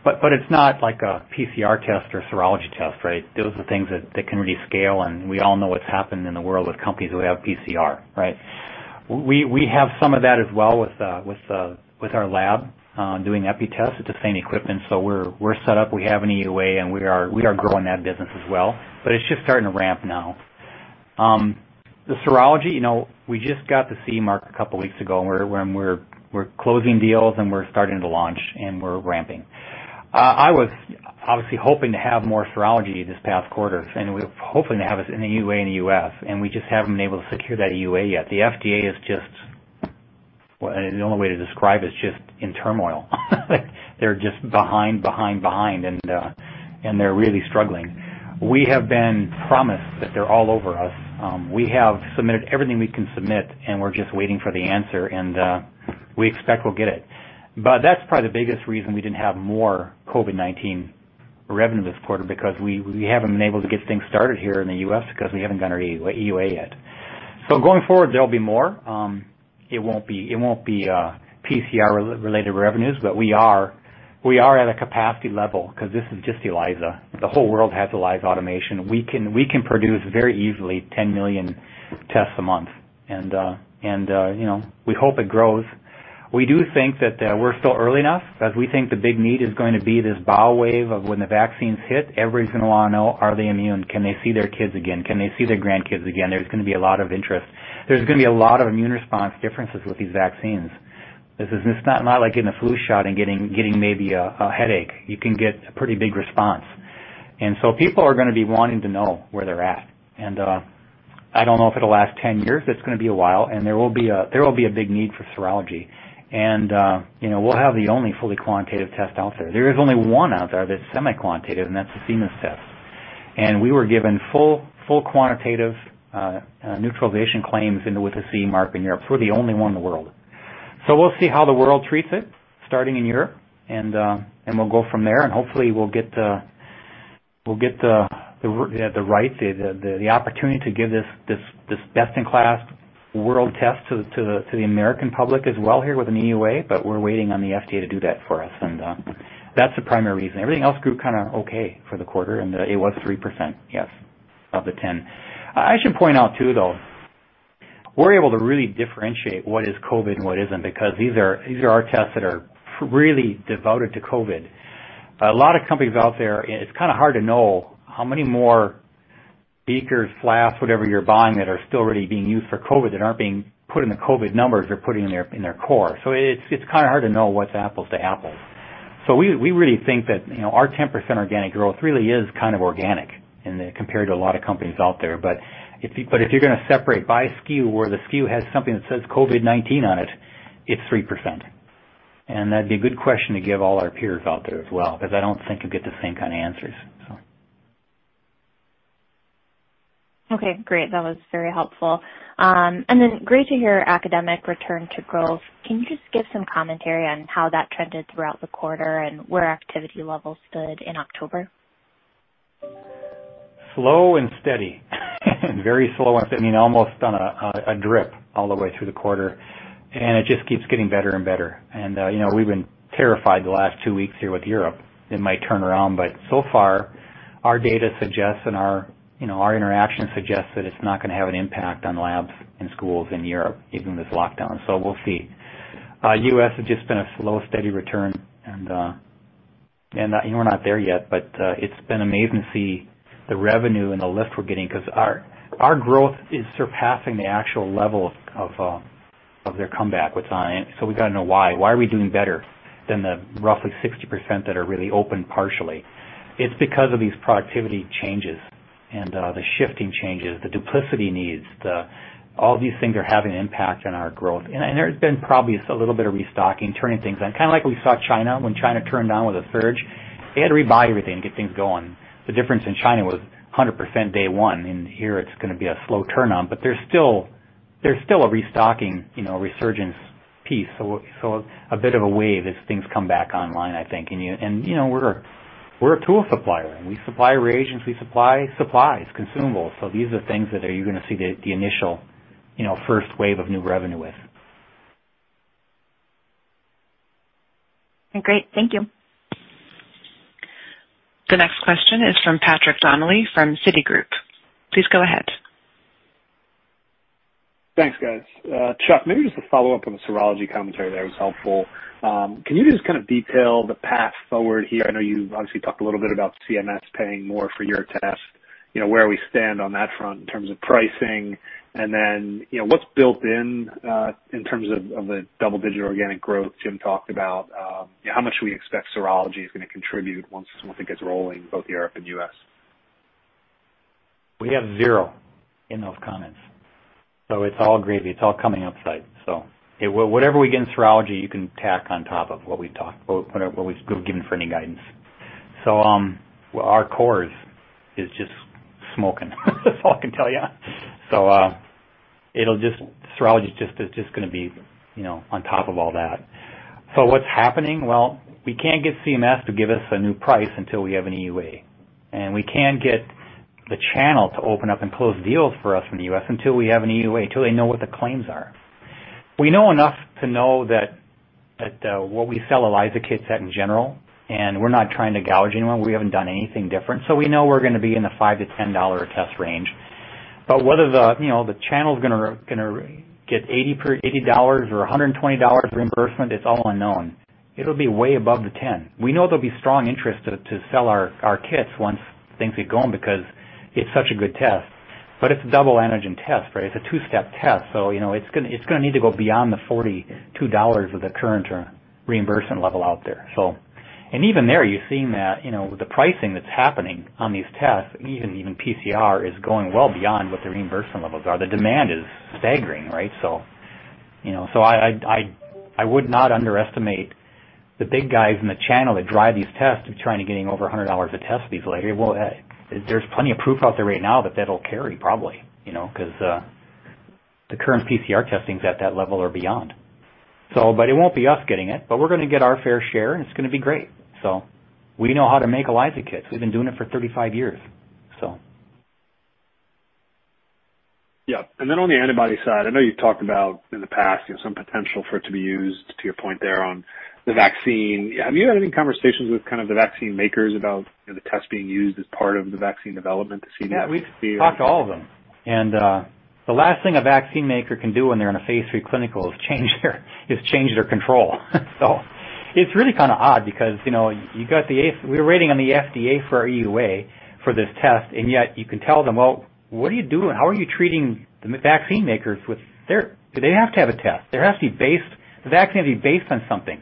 It's not like a PCR test or serology test, right? Those are the things that can really scale. We all know what's happened in the world with companies who have PCR, right? We have some of that as well with our lab doing EPI test. It's the same equipment. We're set up. We have an EUA. We are growing that business as well, but it's just starting to ramp now. The serology, we just got the CE mark a couple weeks ago. We're closing deals, and we're starting to launch, and we're ramping. I was obviously hoping to have more serology this past quarter. We were hoping to have an EUA in the U.S. We just haven't been able to secure that EUA yet. The FDA is just in turmoil. They're just behind. They're really struggling. We have been promised that they're all over us. We have submitted everything we can submit. We're just waiting for the answer. We expect we'll get it. That's probably the biggest reason we didn't have more COVID-19 revenue this quarter because we haven't been able to get things started here in the U.S. because we haven't gotten our EUA yet. Going forward, there'll be more. It won't be PCR-related revenues. We are at a capacity level because this is just ELISA. The whole world has ELISA automation. We can produce very easily 10 million tests a month, and we hope it grows. We do think that we're still early enough, as we think the big need is going to be this bow wave of when the vaccines hit. Everyone's going to want to know, are they immune? Can they see their kids again? Can they see their grandkids again? There's going to be a lot of interest. There's going to be a lot of immune response differences with these vaccines. This is not like getting a flu shot and getting maybe a headache. You can get a pretty big response. So people are going to be wanting to know where they're at. I don't know if it'll last 10 years. It's going to be a while, and there will be a big need for serology. We'll have the only fully quantitative test out there. There is only one out there that's semi-quantitative. That's the Siemens test. We were given full quantitative neutralization claims with the CE mark in Europe. We're the only one in the world. We'll see how the world treats it starting in Europe. We'll go from there. Hopefully, we'll get the right, the opportunity to give this best-in-class world test to the American public as well here with an EUA. We're waiting on the FDA to do that for us. That's the primary reason. Everything else grew kind of okay for the quarter. It was 3%, yes, of the 10%. I should point out, too, though, we're able to really differentiate what is COVID and what isn't because these are our tests that are really devoted to COVID. A lot of companies out there, it's kind of hard to know how many more beakers, flasks, whatever you're buying that are still really being used for COVID-19 that aren't being put in the COVID-19 numbers they're putting in their core. It's kind of hard to know what's apples to apples. We really think that our 10% organic growth really is kind of organic compared to a lot of companies out there. If you're going to separate by SKU, where the SKU has something that says COVID-19 on it's 3%. That'd be a good question to give all our peers out there as well, because I don't think you'll get the same kind of answers. Okay, great. That was very helpful. Great to hear academic return to growth. Can you just give some commentary on how that trended throughout the quarter and where activity levels stood in October? Slow and steady. Very slow and steady, almost on a drip all the way through the quarter, and it just keeps getting better and better. We've been terrified the last two weeks here with Europe, it might turn around, but so far our data suggests and our interactions suggest that it's not going to have an impact on labs and schools in Europe, even with this lockdown. We'll see. U.S. has just been a slow, steady return and we're not there yet, but it's been amazing to see the revenue and the lift we're getting because our growth is surpassing the actual level of their comeback with science. We've got to know why. Why are we doing better than the roughly 60% that are really open partially? It's because of these productivity changes and the shifting changes, the duplicity needs. All these things are having an impact on our growth. There's been probably a little bit of restocking, turning things on. Kind of like we saw China, when China turned on with a surge, they had to rebuy everything to get things going. The difference in China was 100% day one, and here it's going to be a slow turn on, but there's still a restocking, resurgence piece. A bit of a wave as things come back online, I think. We're a tool supplier and we supply reagents, we supply supplies, consumables. These are things that you're going to see the initial first wave of new revenue with. Great. Thank you. The next question is from Patrick Donnelly from Citigroup. Please go ahead. Thanks, guys. Chuck, maybe just a follow-up on the serology commentary there was helpful. Can you just kind of detail the path forward here? I know you've obviously talked a little bit about CMS paying more for your test, where we stand on that front in terms of pricing. What's built in terms of the double-digit organic growth Jim talked about? How much do we expect serology is going to contribute once this whole thing gets rolling, both Europe and U.S.? We have zero in those comments. It's all gravy. It's all coming upside. Whatever we get in serology, you can tack on top of what we've given for any guidance. Our cores is just smoking. That's all I can tell you. Serology's just going to be on top of all that. What's happening? Well, we can't get CMS to give us a new price until we have an EUA, and we can't get the channel to open up and close deals for us in the U.S. until we have an EUA, until they know what the claims are. We know enough to know that what we sell ELISA kits at in general, and we're not trying to gouge anyone. We haven't done anything different. We know we're going to be in the $5-$10 a test range. Whether the channel's going to get $80 or $120 reimbursement, it's all unknown. It'll be way above the $10. We know there'll be strong interest to sell our kits once things get going because it's such a good test, but it's a double antigen test, right? It's a two-step test. It's going to need to go beyond the $42 of the current reimbursement level out there. Even there, you're seeing that the pricing that's happening on these tests, even PCR, is going well beyond what the reimbursement levels are. The demand is staggering, right? I would not underestimate the big guys in the channel that drive these tests, trying to getting over $100 a test these days. There's plenty of proof out there right now that that'll carry probably, because the current PCR testing's at that level or beyond. It won't be us getting it, but we're going to get our fair share and it's going to be great. We know how to make ELISA kits. We've been doing it for 35 years. Yeah. Then on the antibody side, I know you've talked about in the past some potential for it to be used, to your point there on the vaccine. Have you had any conversations with the vaccine makers about the test being used as part of the vaccine development? Yeah, we've talked to all of them. The last thing a vaccine maker can do when they're in a phase III clinical is change their control. It's really kind of odd because we're waiting on the FDA for our EUA for this test, and yet you can tell them, "Well, what are you doing? How are you treating the vaccine makers with their" Do they have to have a test? The vaccine had to be based on something.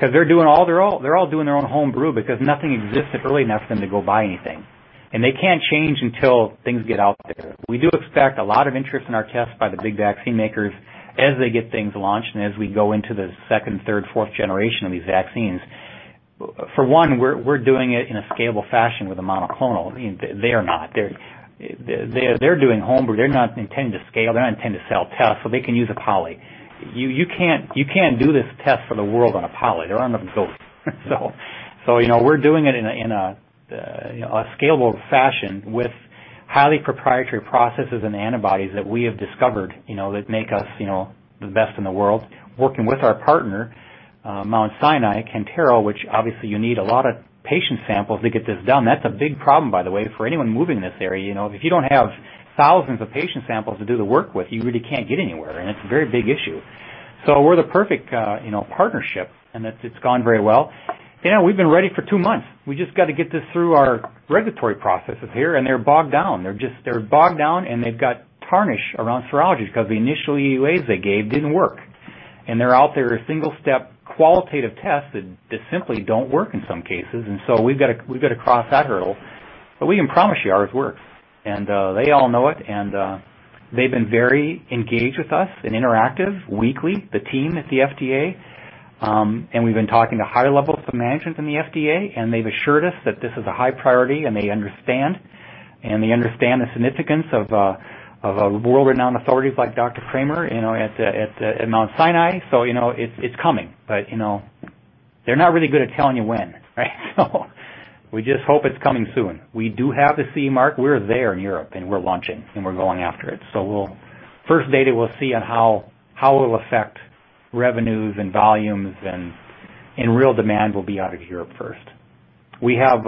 They're all doing their own home brew because nothing exists early enough for them to go buy anything, and they can't change until things get out there. We do expect a lot of interest in our test by the big vaccine makers as they get things launched and as we go into the second, third, fourth generation of these vaccines. For one, we're doing it in a scalable fashion with a monoclonal. They are not. They're doing home brew. They're not intending to scale. They're not intending to sell tests, so they can use a poly. You can't do this test for the world on a poly. There aren't enough goats. We're doing it in a scalable fashion with highly proprietary processes and antibodies that we have discovered that make us the best in the world, working with our partner, Mount Sinai, Quanterix, which obviously you need a lot of patient samples to get this done. That's a big problem, by the way, for anyone moving this area. If you don't have thousands of patient samples to do the work with, you really can't get anywhere, and it's a very big issue. We're the perfect partnership, and it's gone very well. We've been ready for two months. We just got to get this through our regulatory processes here. They're bogged down, and they've got tarnish around serology because the initial EUAs they gave didn't work. They're out there as single-step qualitative tests that simply don't work in some cases. We've got to cross that hurdle, but we can promise you ours works, and they all know it, and they've been very engaged with us and interactive weekly, the team at the FDA. We've been talking to high levels of management in the FDA, and they've assured us that this is a high priority, and they understand, and they understand the significance of world-renowned authorities like Dr. Kramer at Mount Sinai. It's coming, but they're not really good at telling you when, right? We just hope it's coming soon. We do have the CE mark. We're there in Europe, and we're launching, and we're going after it. First data we'll see on how it'll affect revenues and volumes, and real demand will be out of Europe first. We have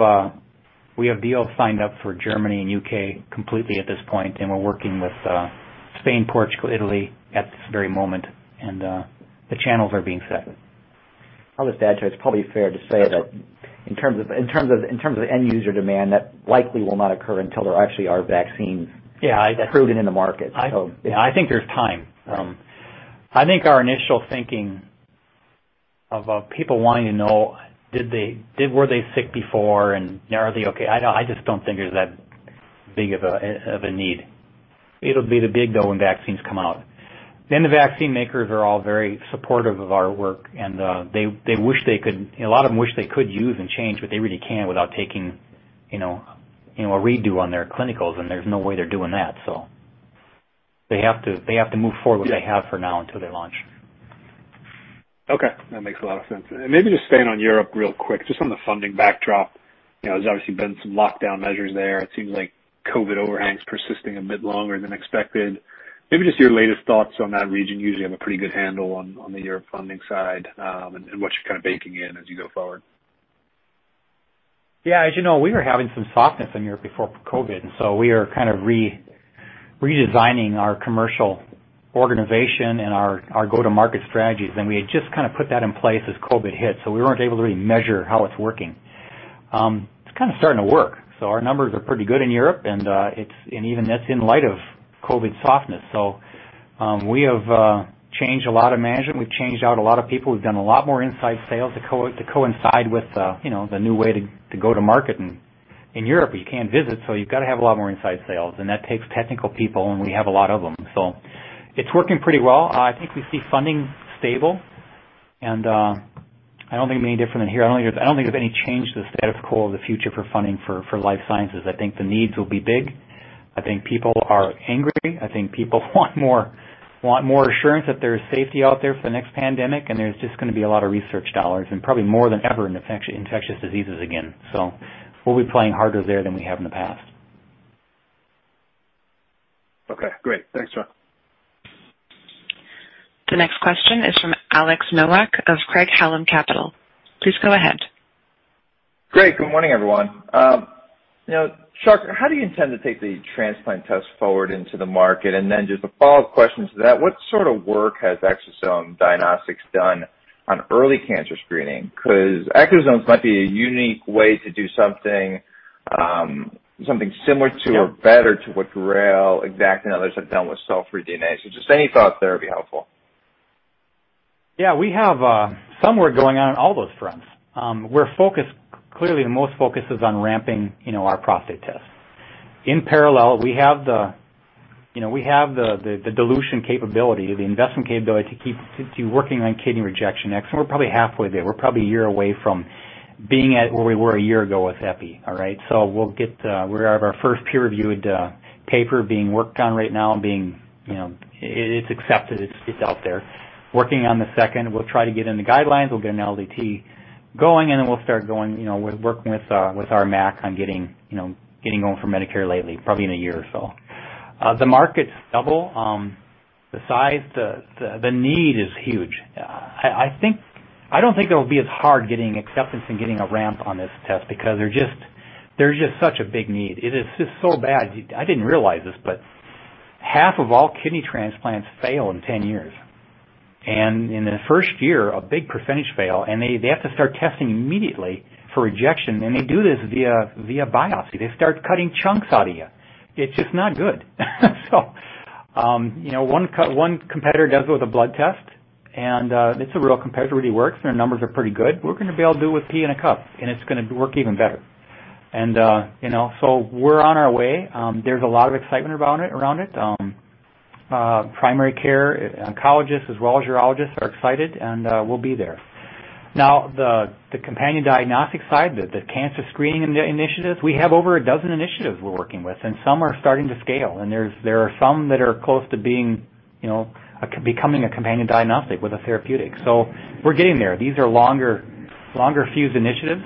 deals signed up for Germany and U.K. completely at this point, and we're working with Spain, Portugal, Italy at this very moment, and the channels are being set. I'll just add to it. It's probably fair to say that in terms of end user demand, that likely will not occur until there actually are vaccines. Yeah. Approved and in the market. Yeah, I think there's time. I think our initial thinking of people wanting to know were they sick before and now are they okay, I just don't think there's that big of a need. It'll be the big, though, when vaccines come out. The vaccine makers are all very supportive of our work, and a lot of them wish they could use and change, but they really can't without taking a redo on their clinicals, and there's no way they're doing that. They have to move forward with what they have for now until they launch. Okay, that makes a lot of sense. Maybe just staying on Europe real quick, just on the funding backdrop. There's obviously been some lockdown measures there. It seems like COVID overhang is persisting a bit longer than expected. Maybe just your latest thoughts on that region. You usually have a pretty good handle on the Europe funding side and what you're kind of baking in as you go forward. Yeah. As you know, we were having some softness in Europe before COVID, and so we are kind of redesigning our commercial organization and our go-to-market strategies. We had just put that in place as COVID hit, so we weren't able to really measure how it's working. It's kind of starting to work. Our numbers are pretty good in Europe, and even that's in light of COVID softness. We have changed a lot of management. We've changed out a lot of people. We've done a lot more inside sales to coincide with the new way to go to market. In Europe, you can't visit, so you've got to have a lot more inside sales, and that takes technical people, and we have a lot of them. It's working pretty well. I think we see funding stable, and I don't think it'll be any different than here. I don't think there's any change to the status quo of the future for funding for life sciences. I think the needs will be big. I think people are angry. I think people want more assurance that there's safety out there for the next pandemic, and there's just going to be a lot of research dollars and probably more than ever in infectious diseases again. We'll be playing harder there than we have in the past. Okay, great. Thanks, Chuck. The next question is from Alex Nowak of Craig-Hallum Capital. Please go ahead. Great. Good morning, everyone. Chuck, how do you intend to take the transplant test forward into the market? Just a follow-up question to that, what sort of work has Exosome Diagnostics done on early cancer screening? Exosomes might be a unique way to do something similar to or better to what Grail, Exact and others have done with cell-free DNA. Just any thoughts there would be helpful. Yeah. We have some work going on on all those fronts. Clearly, the most focus is on ramping our prostate test. In parallel, we have the dilution capability or the investment capability to keep working on kidney rejection next, and we're probably halfway there. We're probably a year away from being at where we were a year ago with EPI. All right? We have our first peer-reviewed paper being worked on right now. It's accepted. It's out there. Working on the second. We'll try to get in the guidelines. We'll get an LDT going, and then we'll start going with working with our MAC on getting on for Medicare listing, probably in a year or so. The market's double the size. The need is huge. I don't think it'll be as hard getting acceptance and getting a ramp on this test because there's just such a big need. It is just so bad. I didn't realize this, half of all kidney transplants fail in 10 years. In the first year, a big percentage fail, they have to start testing immediately for rejection, they do this via biopsy. They start cutting chunks out of you. It's just not good. One competitor does it with a blood test, it's a real competitor. It really works, their numbers are pretty good. We're going to be able to do it with pee in a cup, it's going to work even better. We're on our way. There's a lot of excitement around it. Primary care oncologists as well as urologists are excited, we'll be there. The companion diagnostic side, the cancer screening initiatives, we have over a dozen initiatives we're working with, and some are starting to scale. There are some that are close to becoming a companion diagnostic with a therapeutic. We're getting there. These are longer fuse initiatives.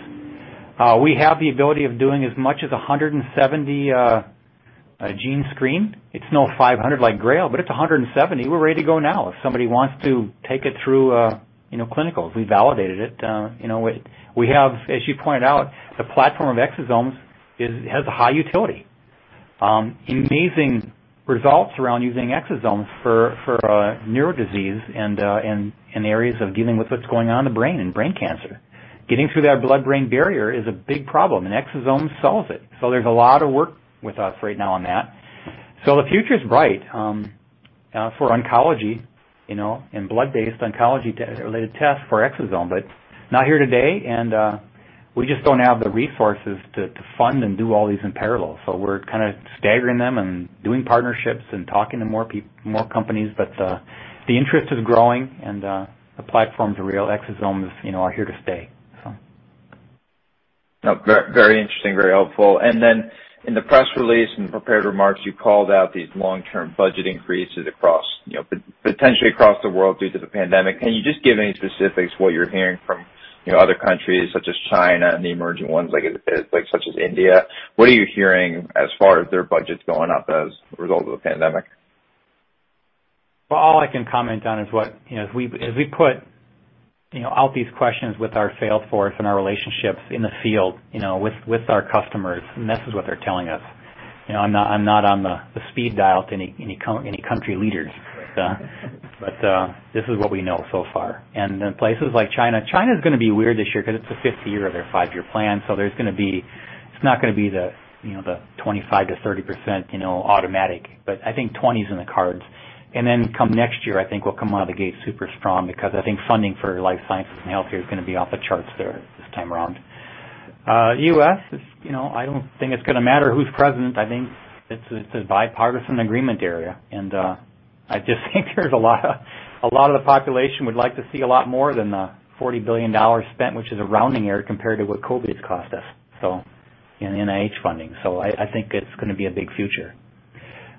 We have the ability of doing as much as 170 gene screen. It's no 500 like Grail, but it's 170. We're ready to go now if somebody wants to take it through clinicals. We validated it. We have, as you pointed out, the platform of exosomes has a high utility. Amazing results around using exosomes for neurodisease and areas of dealing with what's going on in the brain and brain cancer. Getting through that blood-brain barrier is a big problem, and exosomes solves it. There's a lot of work with us right now on that. The future's bright for oncology and blood-based oncology related tests for exosome, but not here today, and we just don't have the resources to fund and do all these in parallel. We're kind of staggering them and doing partnerships and talking to more companies. The interest is growing and the platform's real. Exosomes are here to stay. Very interesting. Very helpful. In the press release, in the prepared remarks, you called out these long-term budget increases potentially across the world due to the pandemic. Can you just give any specifics what you're hearing from other countries such as China and the emerging ones such as India? What are you hearing as far as their budgets going up as a result of the pandemic? Well, all I can comment on is as we put out these questions with our sales force and our relationships in the field with our customers, this is what they're telling us. I'm not on the speed dial to any country leaders. Right. This is what we know so far. Then places like China's going to be weird this year because it's the fifth year of their five-year plan, so it's not going to be the 25%-30% automatic, but I think 20s in the cards. Then come next year, I think we'll come out of the gate super strong because I think funding for life sciences and healthcare is going to be off the charts there this time around. U.S., I don't think it's going to matter who's president. I think it's a bipartisan agreement area, and I just think a lot of the population would like to see a lot more than the $40 billion spent, which is a rounding error compared to what COVID-19's cost us in NIH funding. I think it's going to be a big future.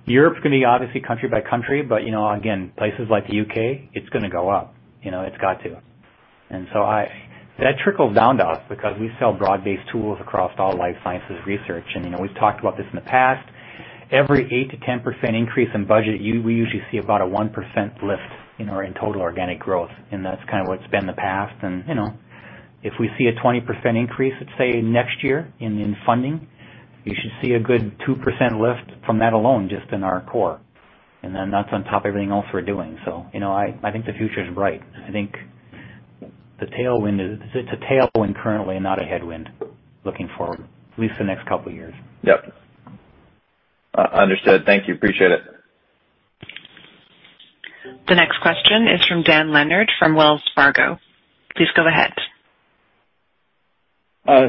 Europe's going to be obviously country by country, but again, places like the U.K., it's going to go up. It's got to. That trickles down to us because we sell broad-based tools across all life sciences research. We've talked about this in the past. Every 8%-10% increase in budget, we usually see about a 1% lift in our total organic growth, and that's kind of what's been the past. If we see a 20% increase, let's say next year in funding, you should see a good 2% lift from that alone, just in our core. That's on top of everything else we're doing. I think the future's bright. I think it's a tailwind currently, not a headwind looking forward, at least the next couple of years. Yep. Understood. Thank you. Appreciate it. The next question is from Dan Leonard from Wells Fargo. Please go ahead.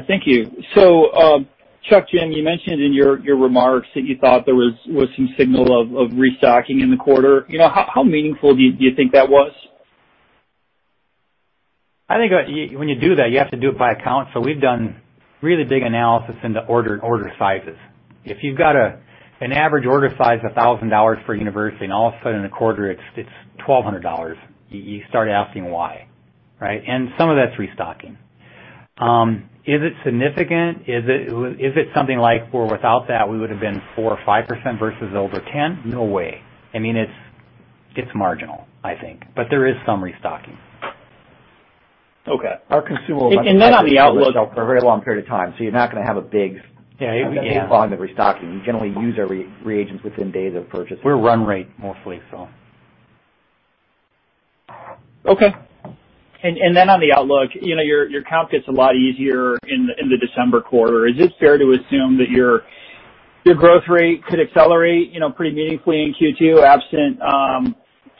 Thank you. Chuck, Jim, you mentioned in your remarks that you thought there was some signal of restocking in the quarter. How meaningful do you think that was? I think when you do that, you have to do it by account. We've done really big analysis into order sizes. If you've got an average order size of $1,000 per university, and all of a sudden, in a quarter, it's $1,200, you start asking why, right? Some of that's restocking. Is it significant? Is it something like where without that, we would've been 4% or 5% versus over 10%? No way. It's marginal, I think, but there is some restocking. Okay. Our consumable. And then on the outlook. For a very long period of time. You're not going to have a big. Yeah. Bog of restocking. You generally use our reagents within days of purchase. We're run rate mostly, so. Okay. On the outlook, your count gets a lot easier in the December quarter. Is it fair to assume that your growth rate could accelerate pretty meaningfully in Q2, absent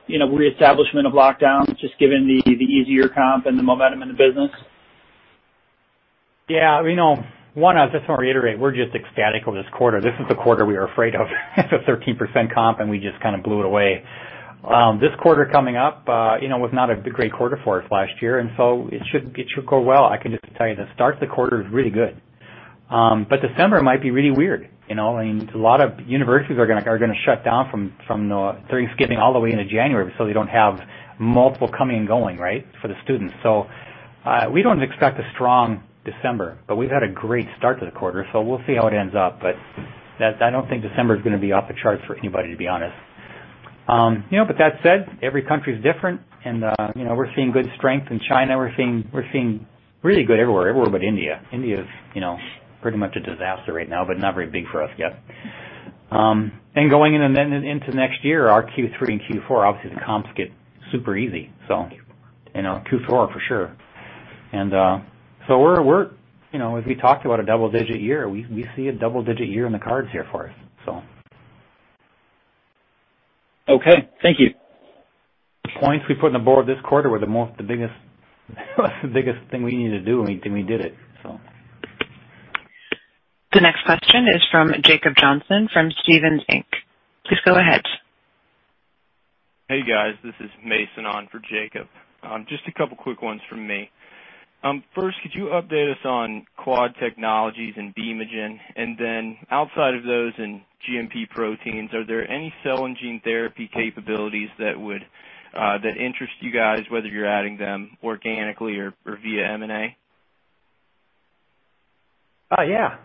reestablishment of lockdowns, just given the easier comp and the momentum in the business? Yeah. One, I just want to reiterate, we're just ecstatic with this quarter. This is the quarter we were afraid of, the 13% comp, and we just kind of blew it away. This quarter coming up was not a great quarter for us last year, and so it should go well. I can just tell you the start to the quarter is really good. December might be really weird. A lot of universities are going to shut down from Thanksgiving all the way into January, so they don't have multiple coming and going right, for the students. We don't expect a strong December, but we've had a great start to the quarter, so we'll see how it ends up. I don't think December's going to be off the charts for anybody, to be honest. That said, every country's different and we're seeing good strength in China. We're seeing really good everywhere but India. India's pretty much a disaster right now, but not very big for us yet. Going into next year, our Q3 and Q4, obviously, the comps get super easy. Q4. Q4, for sure. As we talked about a double-digit year, we see a double-digit year in the cards here for us. Okay. Thank you. Points we put on the board this quarter were the biggest thing we needed to do, and we did it. The next question is from Jacob Johnson from Stephens Inc. Please go ahead. Hey, guys. This is Mason on for Jacob. Just a couple quick ones from me. First, could you update us on Quad Technologies and B-MoGen? Outside of those and GMP proteins, are there any cell and gene therapy capabilities that interest you guys, whether you're adding them organically or via M&A? Yeah.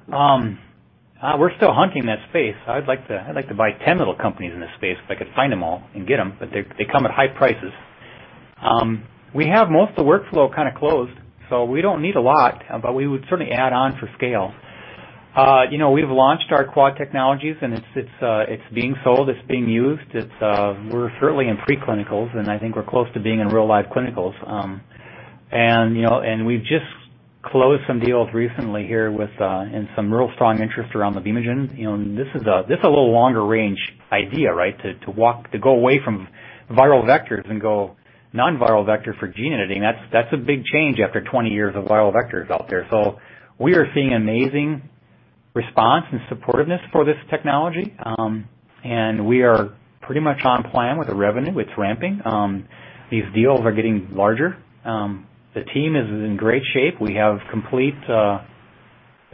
We're still hunting that space. I'd like to buy 10 little companies in this space if I could find them all and get them, they come at high prices. We have most of the workflow kind of closed, we don't need a lot, we would certainly add on for scale. We've launched our Quad Technologies, it's being sold, it's being used. We're certainly in pre-clinicals, I think we're close to being in real live clinicals. We've just closed some deals recently here with, and some real strong interest around the B-MoGen. This is a little longer range idea, right? To go away from viral vectors and go non-viral vector for gene editing. That's a big change after 20 years of viral vectors out there. We are seeing amazing response and supportiveness for this technology. We are pretty much on plan with the revenue. It's ramping. These deals are getting larger. The team is in great shape. We have the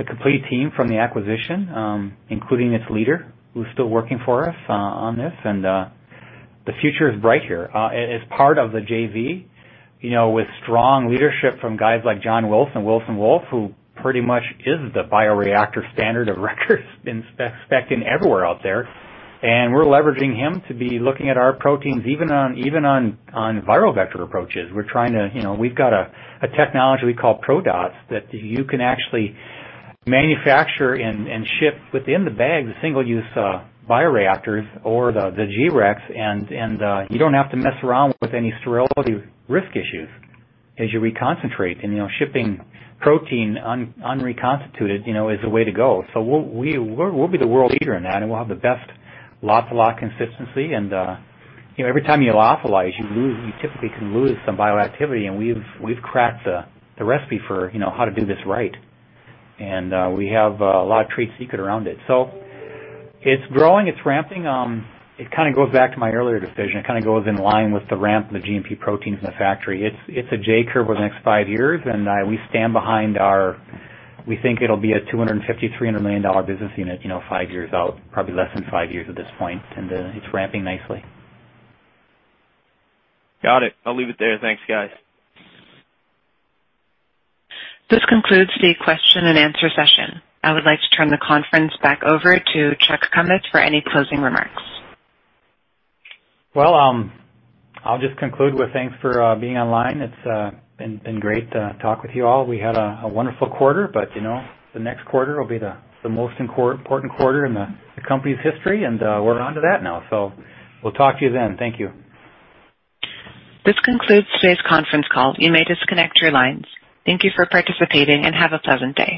complete team from the acquisition, including its leader, who's still working for us on this. The future is bright here. As part of the JV, with strong leadership from guys like John Wilson of Wilson Wolf, who pretty much is the bioreactor standard of records spec'd in everywhere out there. We're leveraging him to be looking at our proteins, even on viral vector approaches. We've got a technology we call ProDOTs that you can actually manufacture and ship within the bag, the single-use bioreactors or the G-Rex, and you don't have to mess around with any sterility risk issues as you reconcentrate. Shipping protein unreconstituted is the way to go. We'll be the world leader in that, and we'll have the best lot to lot consistency. Every time you lyophilize, you typically can lose some bioactivity, and we've cracked the recipe for how to do this right. We have a lot of trade secret around it. It's growing, it's ramping. It goes back to my earlier decision. It goes in line with the ramp of the GMP proteins in the factory. It's a J-curve over the next five years. We think it'll be a $250 million-$300 million business unit five years out, probably less than five years at this point. It's ramping nicely. Got it. I'll leave it there. Thanks, guys. This concludes the question-and-answer session. I would like to turn the conference back over to Chuck Kummeth for any closing remarks. Well, I'll just conclude with thanks for being online. It's been great to talk with you all. We had a wonderful quarter, but the next quarter will be the most important quarter in the company's history, and we're onto that now. We'll talk to you then. Thank you. This concludes today's conference call. You may disconnect your lines. Thank you for participating, and have a pleasant day.